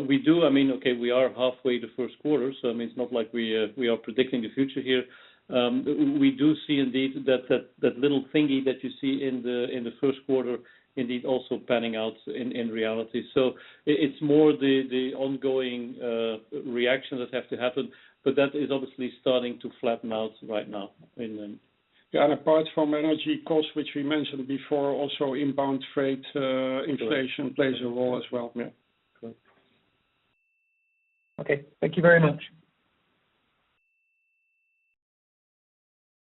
We do, I mean, okay, we are halfway the first quarter, so I mean, it's not like we are predicting the future here. We do see indeed that little thingy that you see in the first quarter, indeed also panning out in reality. It's more the ongoing reaction that has to happen, but that is obviously starting to flatten out right now in the Apart from energy costs, which we mentioned before, also inbound freight, inflation plays a role as well. Yeah. Okay. Thank you very much.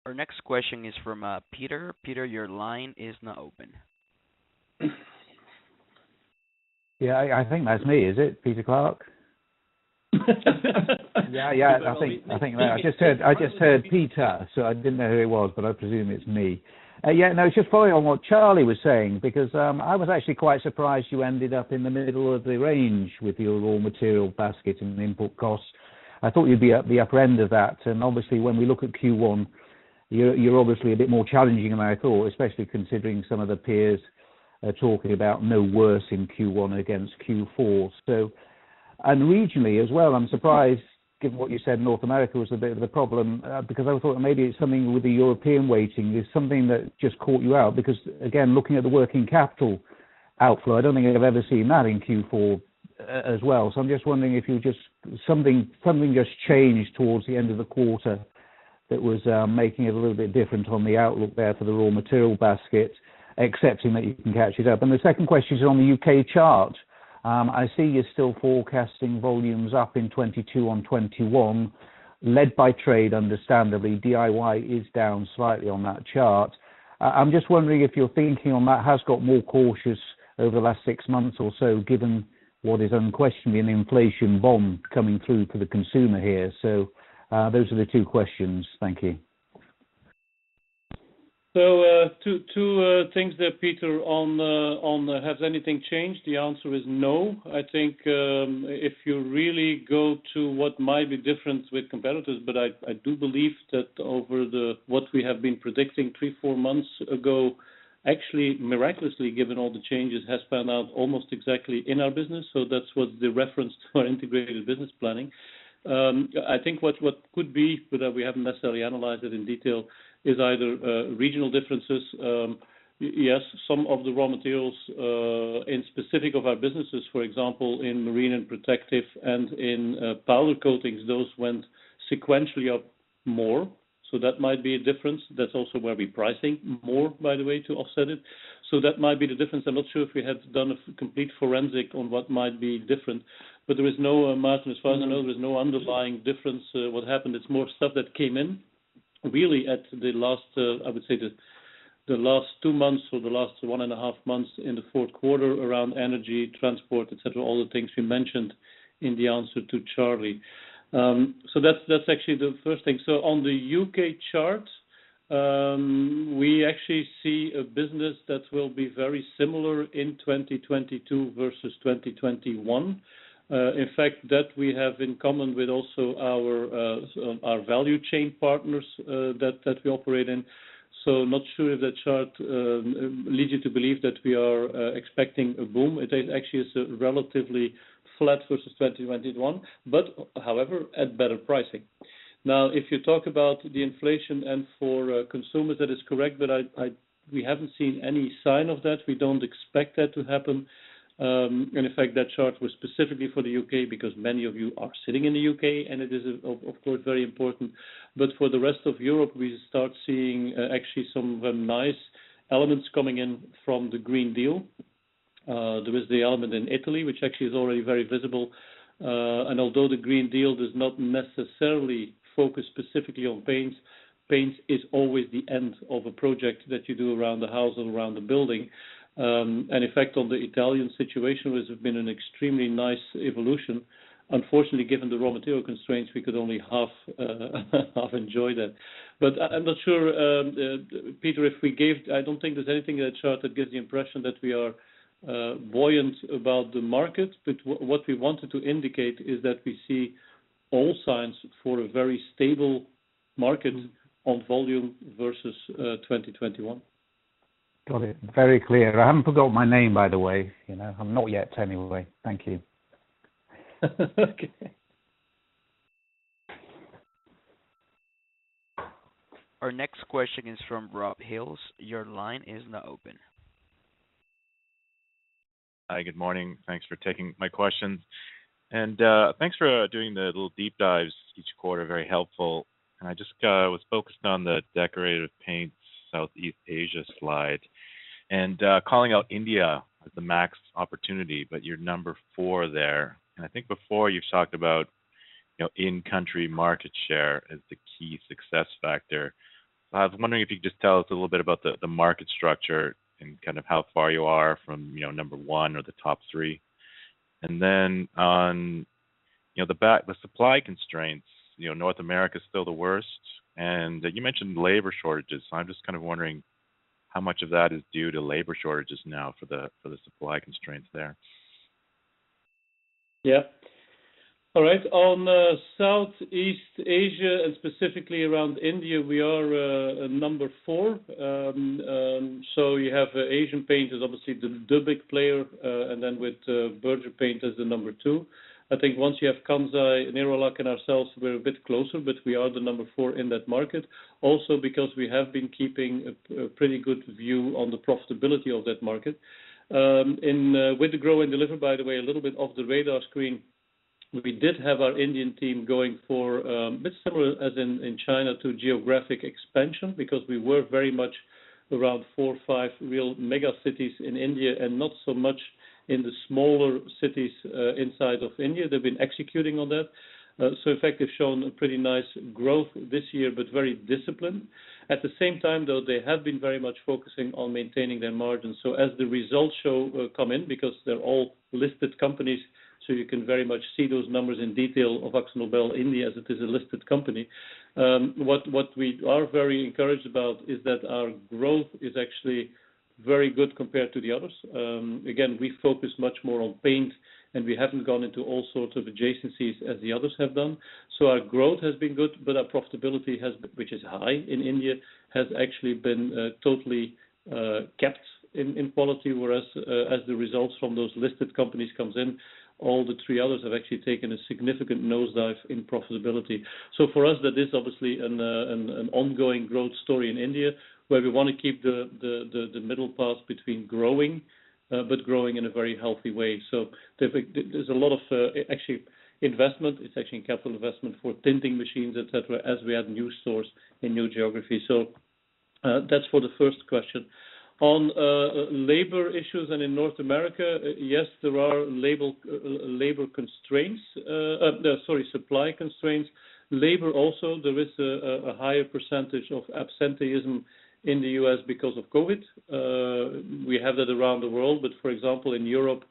Our next question is from, Peter. Peter, your line is now open. Yeah, I think that's me, is it? Peter Clark? Yeah, yeah. I think I just heard Peter, so I didn't know who it was, but I presume it's me. Yeah, no, just following on what Charlie was saying because I was actually quite surprised you ended up in the middle of the range with your raw material basket and input costs. I thought you'd be at the upper end of that. Obviously when we look at Q1, you're obviously a bit more challenging than I thought, especially considering some of the peers are talking about no worse in Q1 against Q4. Regionally as well, I'm surprised given what you said, North America was a bit of a problem because I thought maybe it's something with the European weighting. There's something that just caught you out because again, looking at the working capital outflow, I don't think I've ever seen that in Q4 as well. I'm just wondering if something just changed towards the end of the quarter that was making it a little bit different on the outlook there for the raw material basket, accepting that you can catch it up. The second question is on the U.K. chart. I see you're still forecasting volumes up in 2022 on 2021, led by trade understandably. DIY is down slightly on that chart. I'm just wondering if your thinking on that has got more cautious over the last six months or so, given what is unquestionably an inflation bomb coming through for the consumer here. Those are the two questions. Thank you. Two things there, Peter. One, has anything changed? The answer is no. I think if you really go to what might be different with competitors, but I do believe that what we have been predicting three to four months ago actually miraculously, given all the changes, has panned out almost exactly in our business. That's what the reference to our integrated business planning. I think what could be, but we haven't necessarily analyzed it in detail, is either regional differences. Yes, some of the raw materials in specifics of our businesses, for example, in Marine and Protective and in Powder Coatings, those went sequentially up more. That might be a difference. That's also where we pricing more, by the way, to offset it. That might be the difference. I'm not sure if we have done a complete forensic on what might be different, but there is no, Maarten, as far as I know, there is no underlying difference. What happened, it's more stuff that came in really at the last, I would say the last two months or the last 1.5 months in the fourth quarter around energy transport, et cetera, all the things we mentioned in the answer to Charlie. That's actually the first thing. On the U.K. chart, we actually see a business that will be very similar in 2022 versus 2021. In fact, that we have in common with also our value chain partners that we operate in. Not sure if that chart leads you to believe that we are expecting a boom. It actually is relatively flat versus 2021, but however, at better pricing. Now, if you talk about the inflation and for consumers, that is correct, but we haven't seen any sign of that. We don't expect that to happen. In fact, that chart was specifically for the U.K. because many of you are sitting in the U.K., and it is of course very important. For the rest of Europe, we start seeing actually some very nice elements coming in from the Green Deal. There is the element in Italy, which actually is already very visible. Although the Green Deal does not necessarily focus specifically on paints is always the end of a project that you do around the house and around the building. The effect on the Italian situation has been an extremely nice evolution. Unfortunately, given the raw material constraints, we could only half enjoy that. I'm not sure, Peter. I don't think there's anything in that chart that gives the impression that we are buoyant about the market. What we wanted to indicate is that we see all signs for a very stable market on volume versus 2021. Got it. Very clear. I haven't forgot my name, by the way. You know? I'm not yet Tony Jones. Thank you. Our next question is from Rob Hales. Your line is now open. Hi, good morning. Thanks for taking my questions. Thanks for doing the little deep dives each quarter. Very helpful. I just was focused on the Decorative Paints South Asia slide and calling out India as the max opportunity, but you're number four there. I think before you've talked about, you know, in-country market share as the key success factor. I was wondering if you could just tell us a little bit about the market structure and kind of how far you are from, you know, number one or the top three. Then on, you know, the supply constraints, you know, North America is still the worst, and you mentioned labor shortages. I'm just kind of wondering how much of that is due to labor shortages now for the supply constraints there. Yeah. All right. On Southeast Asia and specifically around India, we are number four. You have Asian Paints, obviously the big player, and then with Berger Paints as the number two. I think once you have Kansai Nerolac and ourselves, we're a bit closer, but we are the number four in that market. Also because we have been keeping a pretty good view on the profitability of that market. With the Grow & Deliver, by the way, a little bit off the radar screen, we did have our Indian team going for a bit similar as in China to geographic expansion because we were very much around four or five real mega cities in India and not so much in the smaller cities inside of India. They've been executing on that. In fact, they've shown a pretty nice growth this year, but very disciplined. At the same time, though, they have been very much focusing on maintaining their margins. As the results show come in because they're all listed companies, so you can very much see those numbers in detail of AkzoNobel India, as it is a listed company. What we are very encouraged about is that our growth is actually very good compared to the others. Again, we focus much more on paint, and we haven't gone into all sorts of adjacencies as the others have done. Our growth has been good, but our profitability, which is high in India, has actually been totally capped in quality, whereas as the results from those listed companies come in, all the three others have actually taken a significant nosedive in profitability. For us, that is obviously an ongoing growth story in India, where we want to keep the middle path between growing but growing in a very healthy way. There's a lot of actually investment. It's actually in capital investment for tinting machines, et cetera, as we add new stores in new geographies. That's for the first question. On labor issues in North America, yes, there are labor supply constraints. Labor also, there is a higher percentage of absenteeism in the U.S. because of COVID. We have that around the world, but for example, in Europe,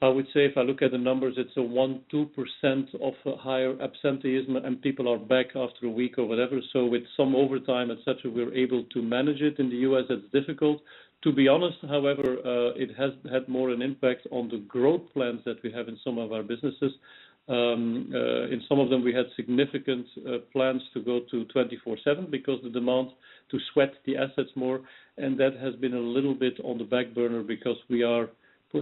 I would say if I look at the numbers, it's a 1-2% higher absenteeism and people are back after a week or whatever. With some overtime et cetera, we're able to manage it. In the U.S., it's difficult. To be honest, however, it has had more an impact on the growth plans that we have in some of our businesses. In some of them, we had significant plans to go to 24/7 because the demand to sweat the assets more, and that has been a little bit on the back burner because we are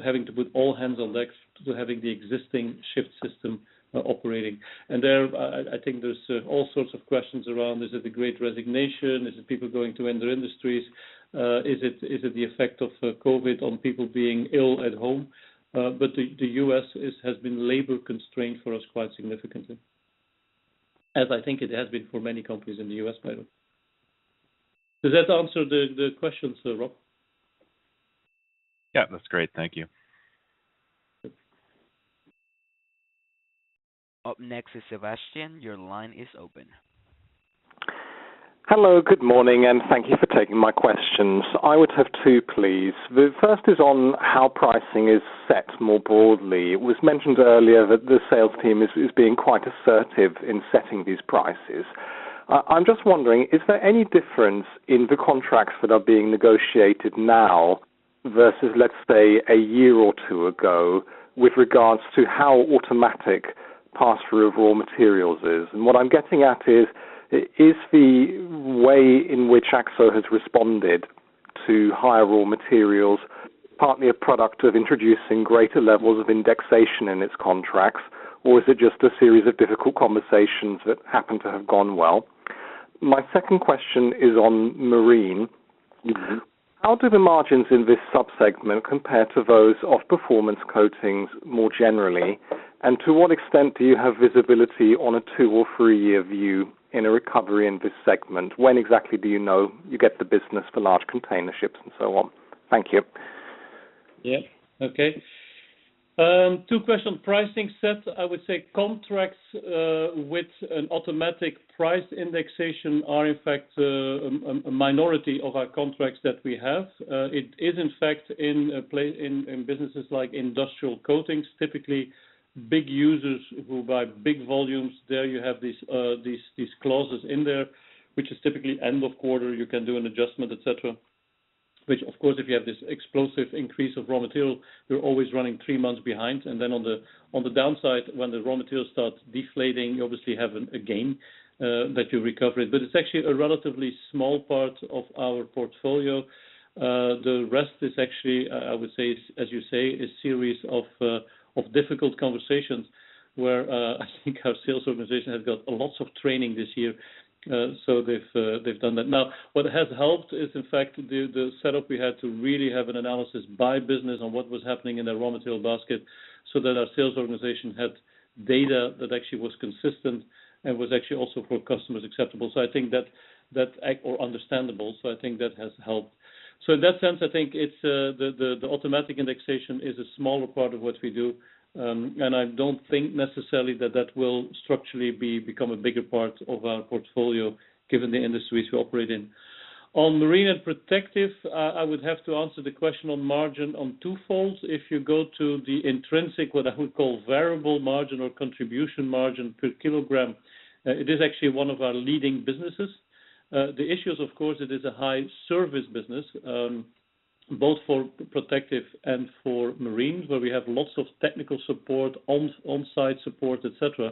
having to put all hands on deck to having the existing shift system operating. I think there's all sorts of questions around, is it the Great Resignation? Is it people going to other industries? Is it the effect of COVID on people being ill at home? But the U.S. has been labor constrained for us quite significantly. As I think it has been for many companies in the U.S., by the way. Does that answer the question, sir Rob? Yeah. That's great. Thank you. Good. Up next is Sebastian. Your line is open. Hello, good morning, and thank you for taking my questions. I would have two, please. The first is on how pricing is set more broadly. It was mentioned earlier that the sales team is being quite assertive in setting these prices. I'm just wondering, is there any difference in the contracts that are being negotiated now versus, let's say, a year or two ago with regards to how automatic pass-through of raw materials is? What I'm getting at is the way in which AkzoNobel has responded to higher raw materials partly a product of introducing greater levels of indexation in its contracts, or is it just a series of difficult conversations that happen to have gone well? My second question is on Marine. Mm-hmm. How do the margins in this sub-segment compare to those of Performance Coatings more generally? To what extent do you have visibility on a two or three-year view in a recovery in this segment? When exactly do you know you get the business for large container ships and so on? Thank you. Yeah. Okay. Two questions. Pricing set, I would say contracts with an automatic price indexation are in fact a minority of our contracts that we have. It is in fact in businesses like Industrial Coatings, typically big users who buy big volumes. There you have these clauses in there, which is typically end of quarter, you can do an adjustment, et cetera, which of course, if you have this explosive increase of raw material, you're always running three months behind. Then on the downside, when the raw material starts deflating, you obviously have a gain that you recover it. It's actually a relatively small part of our portfolio. The rest is actually, I would say, as you say, a series of difficult conversations where I think our sales organization has got lots of training this year. They've done that. Now, what has helped is, in fact, the setup we had to really have an analysis by business on what was happening in the raw material basket so that our sales organization had data that actually was consistent and was actually also for customers acceptable or understandable. I think that has helped. In that sense, I think it's the automatic indexation is a smaller part of what we do. I don't think necessarily that that will structurally become a bigger part of our portfolio given the industries we operate in. On Marine and Protective, I would have to answer the question on margin on twofold. If you go to the intrinsic, what I would call variable margin or contribution margin per kilogram, it is actually one of our leading businesses. The issue is, of course, it is a high service business, both for Protective and for Marine, where we have lots of technical support, on-site support, et cetera.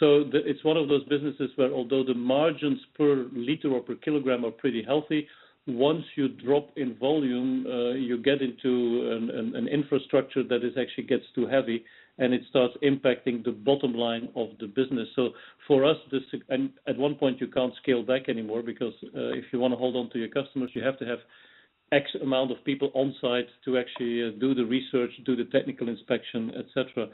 It's one of those businesses where although the margins per liter or per kilogram are pretty healthy, once you drop in volume, you get into an infrastructure that actually gets too heavy and it starts impacting the bottom line of the business. For us, at one point, you can't scale back anymore because if you wanna hold on to your customers, you have to have X amount of people on-site to actually do the research, do the technical inspection, et cetera.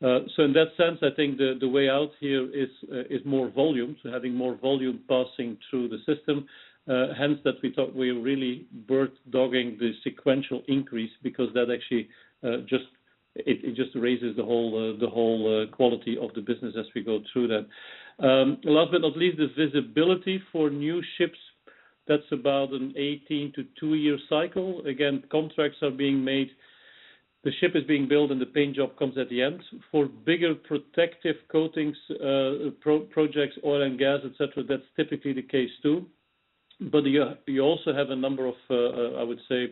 In that sense, I think the way out here is more volume, so having more volume passing through the system. Hence, we thought we're really worth flagging the sequential increase because that actually just raises the whole quality of the business as we go through that. Last but not least, the visibility for new ships. That's about an 18- to two year cycle. Again, contracts are being made. The ship is being built and the paint job comes at the end. For bigger Protective Coatings projects, oil and gas, et cetera, that's typically the case too. You also have a number of, I would say,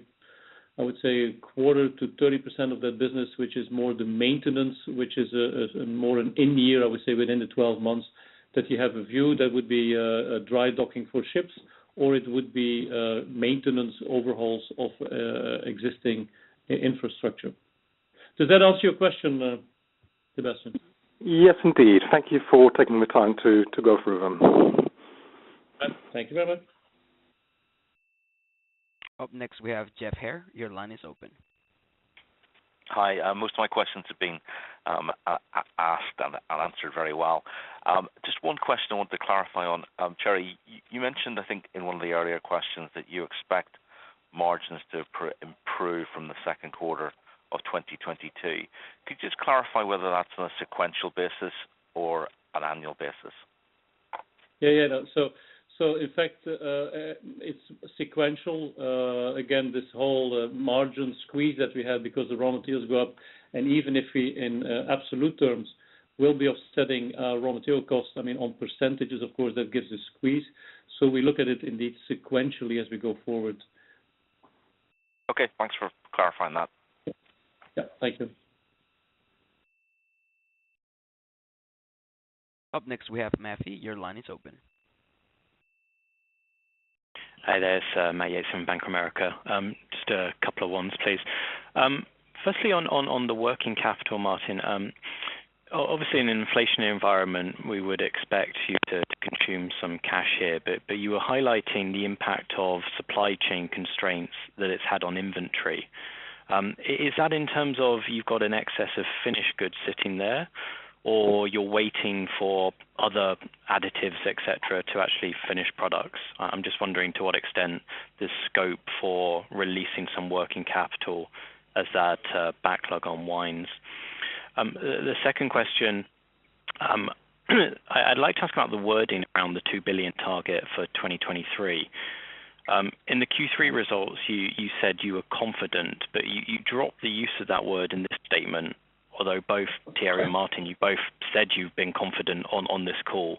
25%-30% of that business, which is more the maintenance, which is more an in-year, I would say within the 12 months that you have a view that would be a dry docking for ships, or it would be maintenance overhauls of existing infrastructure. Does that answer your question, Sebastian? Yes, indeed. Thank you for taking the time to go through them. Thank you very much. Up next, we have Geoff Haire. Your line is open. Hi. Most of my questions have been asked and answered very well. Just one question I want to clarify on. Thierry, you mentioned, I think in one of the earlier questions that you expect margins to improve from the second quarter of 2022. Could you just clarify whether that's on a sequential basis or an annual basis? In fact, it's sequential. Again, this whole margin squeeze that we have because the raw materials go up, and even if we in absolute terms will be offsetting raw material costs, I mean, on percentages, of course, that gives a squeeze. We look at it indeed sequentially as we go forward. Okay. Thanks for clarifying that. Yeah. Thank you. Up next, we have Matthew. Your line is open. Hi there. It's Matthew Yates from Bank of America. Just a couple of questions, please. Firstly on the working capital, Maarten de Vries, obviously in an inflationary environment, we would expect you to consume some cash here, but you were highlighting the impact of supply chain constraints that it's had on inventory. Is that in terms of you've got an excess of finished goods sitting there, or you're waiting for other additives, et cetera, to actually finish products? I'm just wondering to what extent there's scope for releasing some working capital as that backlog unwinds. The second question, I'd like to ask about the wording around the 2 billion target for 2023. In the Q3 results, you said you were confident, but you dropped the use of that word in this statement, although both Thierry and Maarten, you both said you've been confident on this call.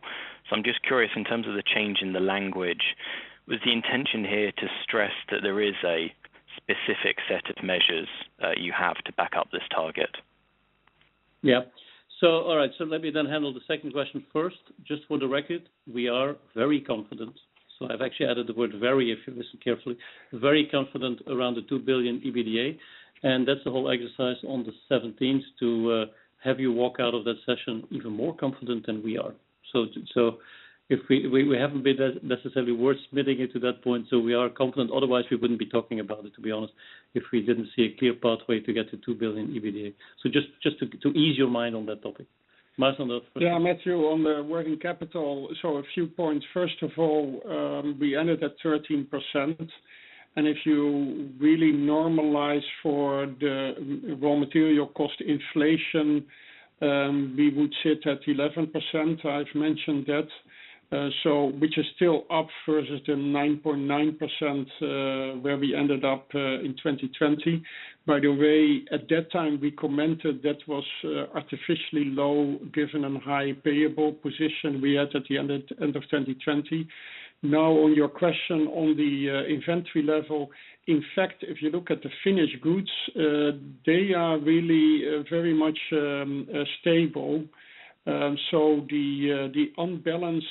I'm just curious, in terms of the change in the language, was the intention here to stress that there is a specific set of measures that you have to back up this target? Yeah. All right, let me then handle the second question first. Just for the record, we are very confident. I've actually added the word very, if you listen carefully, very confident around the 2 billion EBITDA, and that's the whole exercise on the 17th to have you walk out of that session even more confident than we are. If we haven't been necessarily wordsmithing it to that point, we are confident. Otherwise, we wouldn't be talking about it, to be honest, if we didn't see a clear pathway to get to 2 billion EBITDA. Just to ease your mind on that topic. Maarten on the first- Yeah, Matthew, on the working capital. A few points. First of all, we ended at 13%, and if you really normalize for the raw material cost inflation, we would sit at 11%. I've mentioned that. Which is still up versus the 9.9%, where we ended up in 2020. By the way, at that time, we commented that was artificially low given a high payable position we had at the end of 2020. Now, on your question on the inventory level, in fact, if you look at the finished goods, they are really very much stable. The imbalance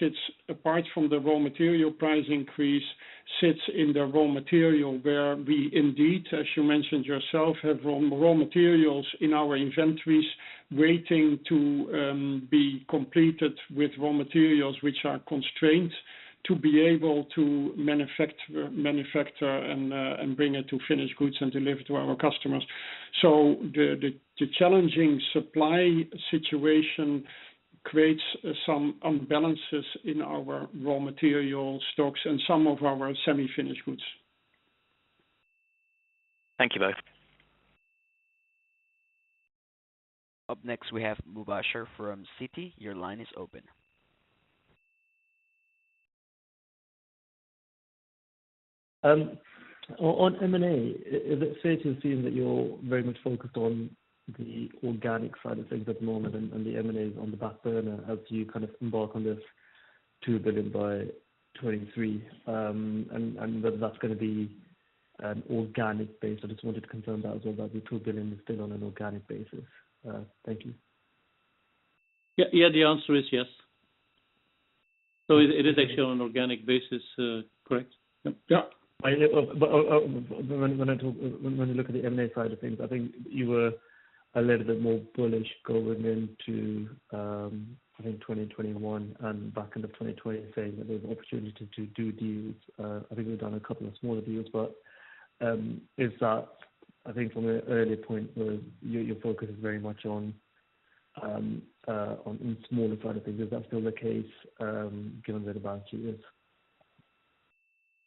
sits apart from the raw material price increase, sits in the raw material where we indeed, as you mentioned yourself, have raw materials in our inventories waiting to be completed with raw materials which are constrained to be able to manufacture and bring it to finished goods and deliver to our customers. The challenging supply situation creates some imbalances in our raw material stocks and some of our semi-finished goods. Thank you both. Up next, we have Mubasher from Citi. Your line is open. On M&A, is it fair to assume that you're very much focused on the organic side of things at the moment and the M&A is on the back burner as you kind of embark on this 2 billion by 2023? Whether that's gonna be an organic basis. I just wanted to confirm that as well, that the 2 billion is still on an organic basis. Thank you. Yeah. The answer is yes. It is actually on an organic basis, correct. When you look at the M&A side of things, I think you were a little bit more bullish going into, I think 2021 and back into 2020 saying that there's an opportunity to do deals. I think we've done a couple of smaller deals, but is that I think from an earlier point where your focus is very much on smaller side of things. Is that still the case, given that about you? Yes.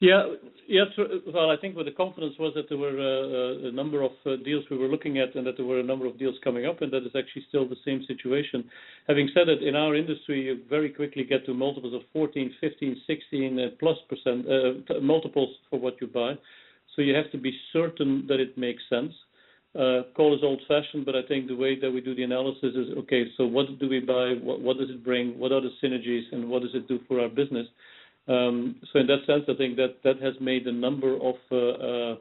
Yeah. Yes. Well, I think where the confidence was that there were a number of deals we were looking at and that there were a number of deals coming up, and that is actually still the same situation. Having said that, in our industry, you very quickly get to multiples of 14, 15, 16%+ multiples for what you buy. You have to be certain that it makes sense. Call us old-fashioned, but I think the way that we do the analysis is, okay, so what do we buy? What does it bring? What are the synergies and what does it do for our business? In that sense, I think that has made a number of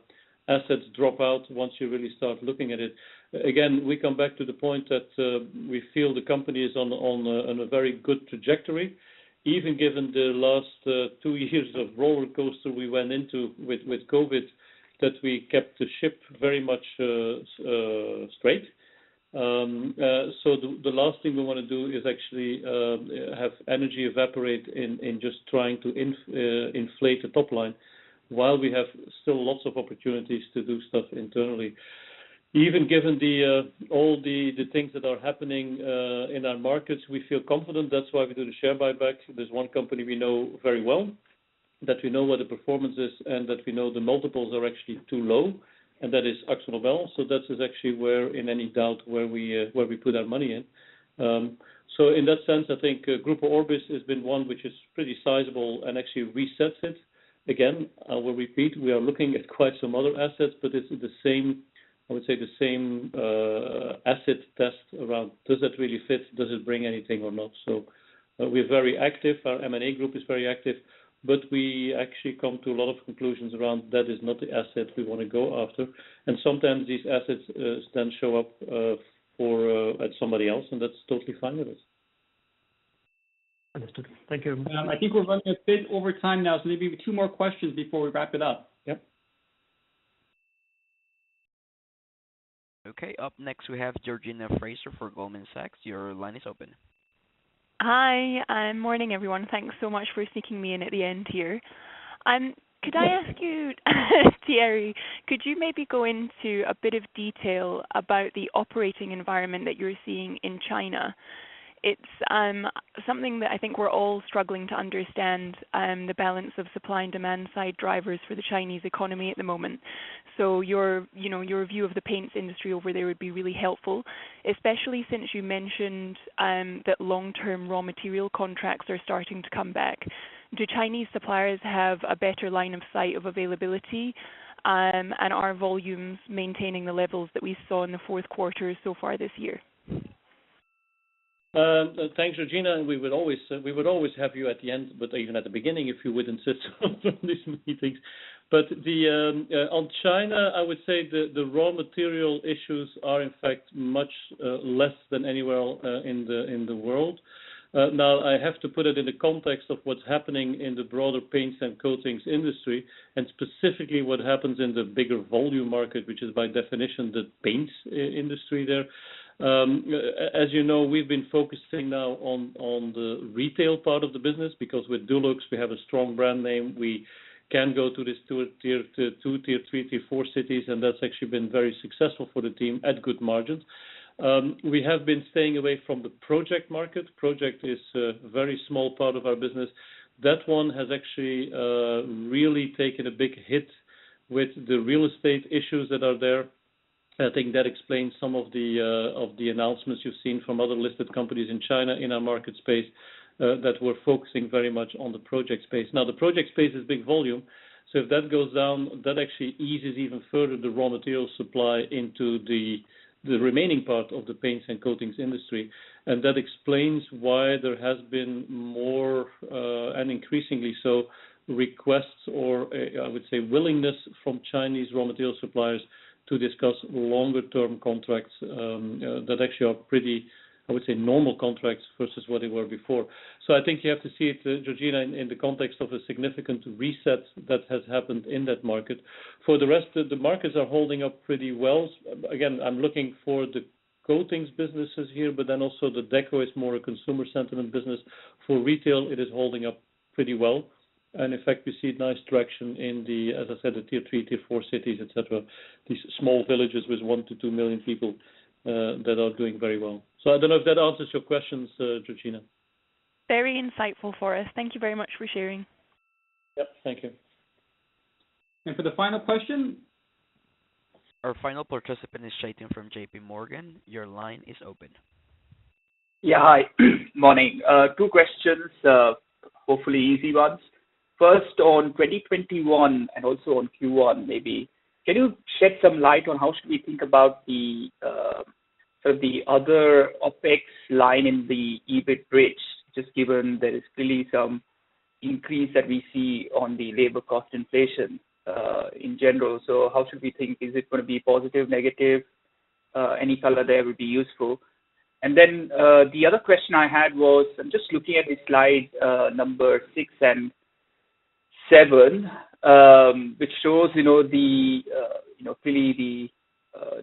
assets drop out once you really start looking at it. Again, we come back to the point that we feel the company is on a very good trajectory, even given the last two years of roller coaster we went into with COVID, that we kept the ship very much straight. The last thing we wanna do is actually have energy evaporate in just trying to inflate the top line while we have still lots of opportunities to do stuff internally. Even given all the things that are happening in our markets, we feel confident. That's why we do the share buyback. There's one company we know very well, that we know what the performance is and that we know the multiples are actually too low, and that is AkzoNobel. That is actually where, in any doubt, we put our money in. In that sense, I think, Grupo Orbis has been one which is pretty sizable and actually resets it. Again, I will repeat, we are looking at quite some other assets, but it's the same, I would say, the same asset test around does that really fit, does it bring anything or not? We're very active. Our M&A group is very active, but we actually come to a lot of conclusions around, that is not the asset we wanna go after. Sometimes these assets then show up at somebody else, and that's totally fine with us. Understood. Thank you. I think we're running a bit over time now, so maybe two more questions before we wrap it up. Yep. Okay. Up next we have Georgina Fraser for Goldman Sachs. Your line is open. Hi. Morning, everyone. Thanks so much for sneaking me in at the end here. Could I ask you Thierry, could you maybe go into a bit of detail about the operating environment that you're seeing in China? It's something that I think we're all struggling to understand, the balance of supply and demand side drivers for the Chinese economy at the moment. Your, you know, your view of the paints industry over there would be really helpful, especially since you mentioned that long-term raw material contracts are starting to come back. Do Chinese suppliers have a better line of sight of availability? Are volumes maintaining the levels that we saw in the fourth quarter so far this year? Thanks, Georgina, and we would always have you at the end, but even at the beginning, if you would insist on these meetings. On China, I would say the raw material issues are in fact much less than anywhere else in the world. Now I have to put it in the context of what's happening in the broader paints and coatings industry, and specifically what happens in the bigger volume market, which is by definition the paints industry there. As you know, we've been focusing now on the retail part of the business because with Dulux we have a strong brand name. We can go to these tier two, tier three, tier four cities, and that's actually been very successful for the team at good margins. We have been staying away from the project market. Project is a very small part of our business. That one has actually really taken a big hit with the real estate issues that are there. I think that explains some of the announcements you've seen from other listed companies in China in our market space that are focusing very much on the project space. Now, the project space is big volume, so if that goes down, that actually eases even further the raw material supply into the remaining part of the paints and coatings industry. That explains why there has been more and increasingly so requests or I would say willingness from Chinese raw material suppliers to discuss longer term contracts that actually are pretty I would say normal contracts versus what they were before. I think you have to see it, Georgina, in the context of a significant reset that has happened in that market. The markets are holding up pretty well. Again, I'm looking for the coatings businesses here, but then also the deco is more a consumer sentiment business. For retail, it is holding up pretty well. In fact, we see nice traction in the, as I said, the tier three, tier four cities, etc. These small villages with 1-2 million people that are doing very well. I don't know if that answers your questions, Georgina. Very insightful for us. Thank you very much for sharing. Yep, thank you. For the final question? Our final participant is Chetan from JPMorgan. Your line is open. Yeah. Hi. Morning. Two questions, hopefully easy ones. First on 2021 and also on Q1 maybe. Can you shed some light on how should we think about the, sort of the other OpEx line in the EBIT bridge, just given there is clearly some increase that we see on the labor cost inflation, in general. How should we think? Is it gonna be positive, negative? Any color there would be useful. The other question I had was, I'm just looking at slide number six and seven, which shows, you know, the, you know, clearly the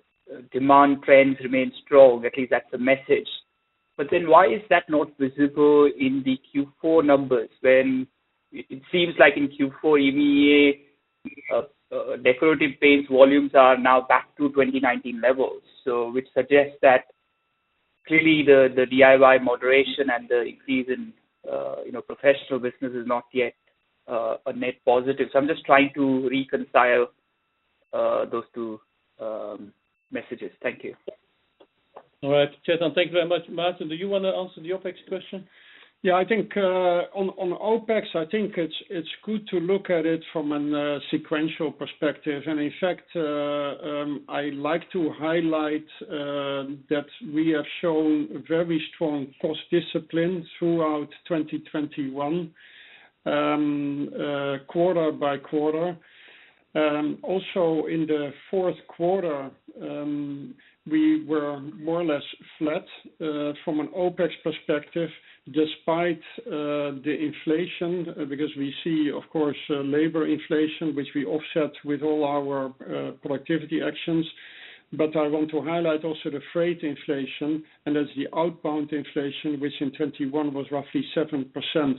demand trends remain strong. At least that's the message. Why is that not visible in the Q4 numbers when it seems like in Q4, EMEIA, Decorative Paints volumes are now back to 2019 levels, so which suggests that clearly the DIY moderation and the increase in, you know, professional business is not yet a net positive. I'm just trying to reconcile those two messages. Thank you. All right, Chetan, thank you very much. Maarten, do you wanna answer the OpEx question? Yeah, I think on OpEx, I think it's good to look at it from a sequential perspective. In fact, I like to highlight that we have shown very strong cost discipline throughout 2021, quarter by quarter. Also in the fourth quarter, we were more or less flat from an OpEx perspective despite the inflation, because we see, of course, labor inflation, which we offset with all our productivity actions. I want to highlight also the freight inflation and the outbound inflation, which in 2021 was roughly 7%.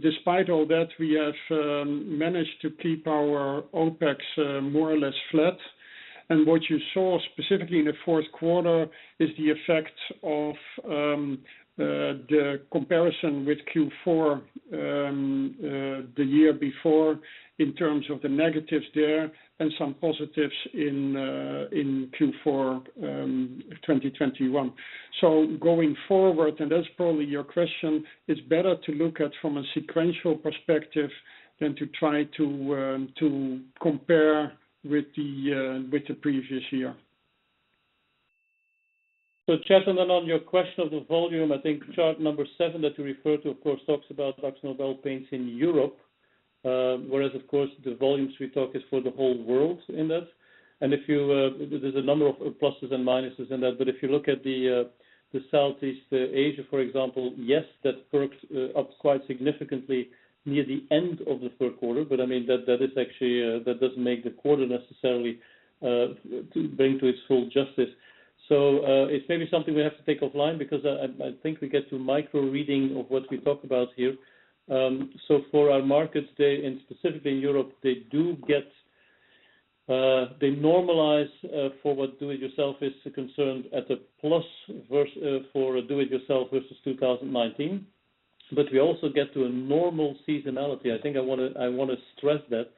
Despite all that, we have managed to keep our OpEx more or less flat. What you saw specifically in the fourth quarter is the effect of the comparison with Q4 the year before in terms of the negatives there and some positives in Q4 2021. Going forward, and that's probably your question, it's better to look at from a sequential perspective than to try to compare with the previous year. Chetan, on your question of the volume, I think chart number seven that you refer to, of course, talks about AkzoNobel paints in Europe, whereas, of course, the volumes we talk is for the whole world in that. If you, there's a number of pluses and minuses in that, but if you look at the Southeast Asia, for example, yes, that perked up quite significantly near the end of the third quarter, but I mean, that is actually, that doesn't make the quarter necessarily to bring to its full justice. It's maybe something we have to take offline because I think we get too micro a reading of what we talk about here. For our markets today and specifically in Europe, they normalize for DIY versus 2019. We also get to a normal seasonality. I think I wanna stress that.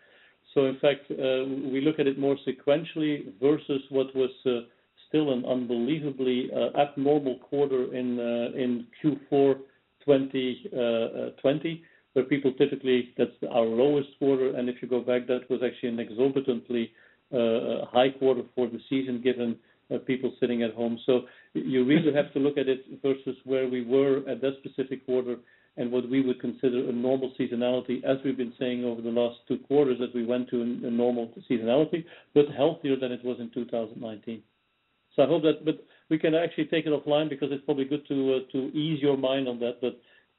In fact, we look at it more sequentially versus what was still an unbelievably abnormal quarter in Q4 2020, where people typically, that's our lowest quarter. If you go back, that was actually an exorbitantly high quarter for the season, given people sitting at home. You really have to look at it versus where we were at that specific quarter and what we would consider a normal seasonality, as we've been saying over the last two quarters, that we went to a normal seasonality, but healthier than it was in 2019. I hope that. We can actually take it offline because it's probably good to ease your mind on that.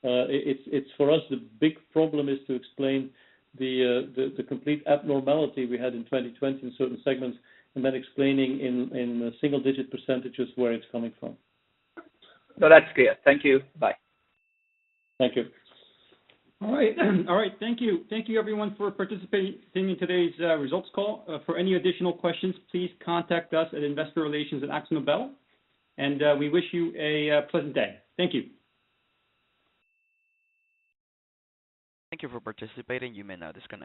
It's for us, the big problem is to explain the complete abnormality we had in 2020 in certain segments, and then explaining in single-digit percentages where it's coming from. No, that's clear. Thank you. Bye. Thank you. All right. Thank you everyone for participating in today's results call. For any additional questions, please contact us at Investor Relations at AkzoNobel, and we wish you a pleasant day. Thank you. Thank you for participating. You may now disconnect.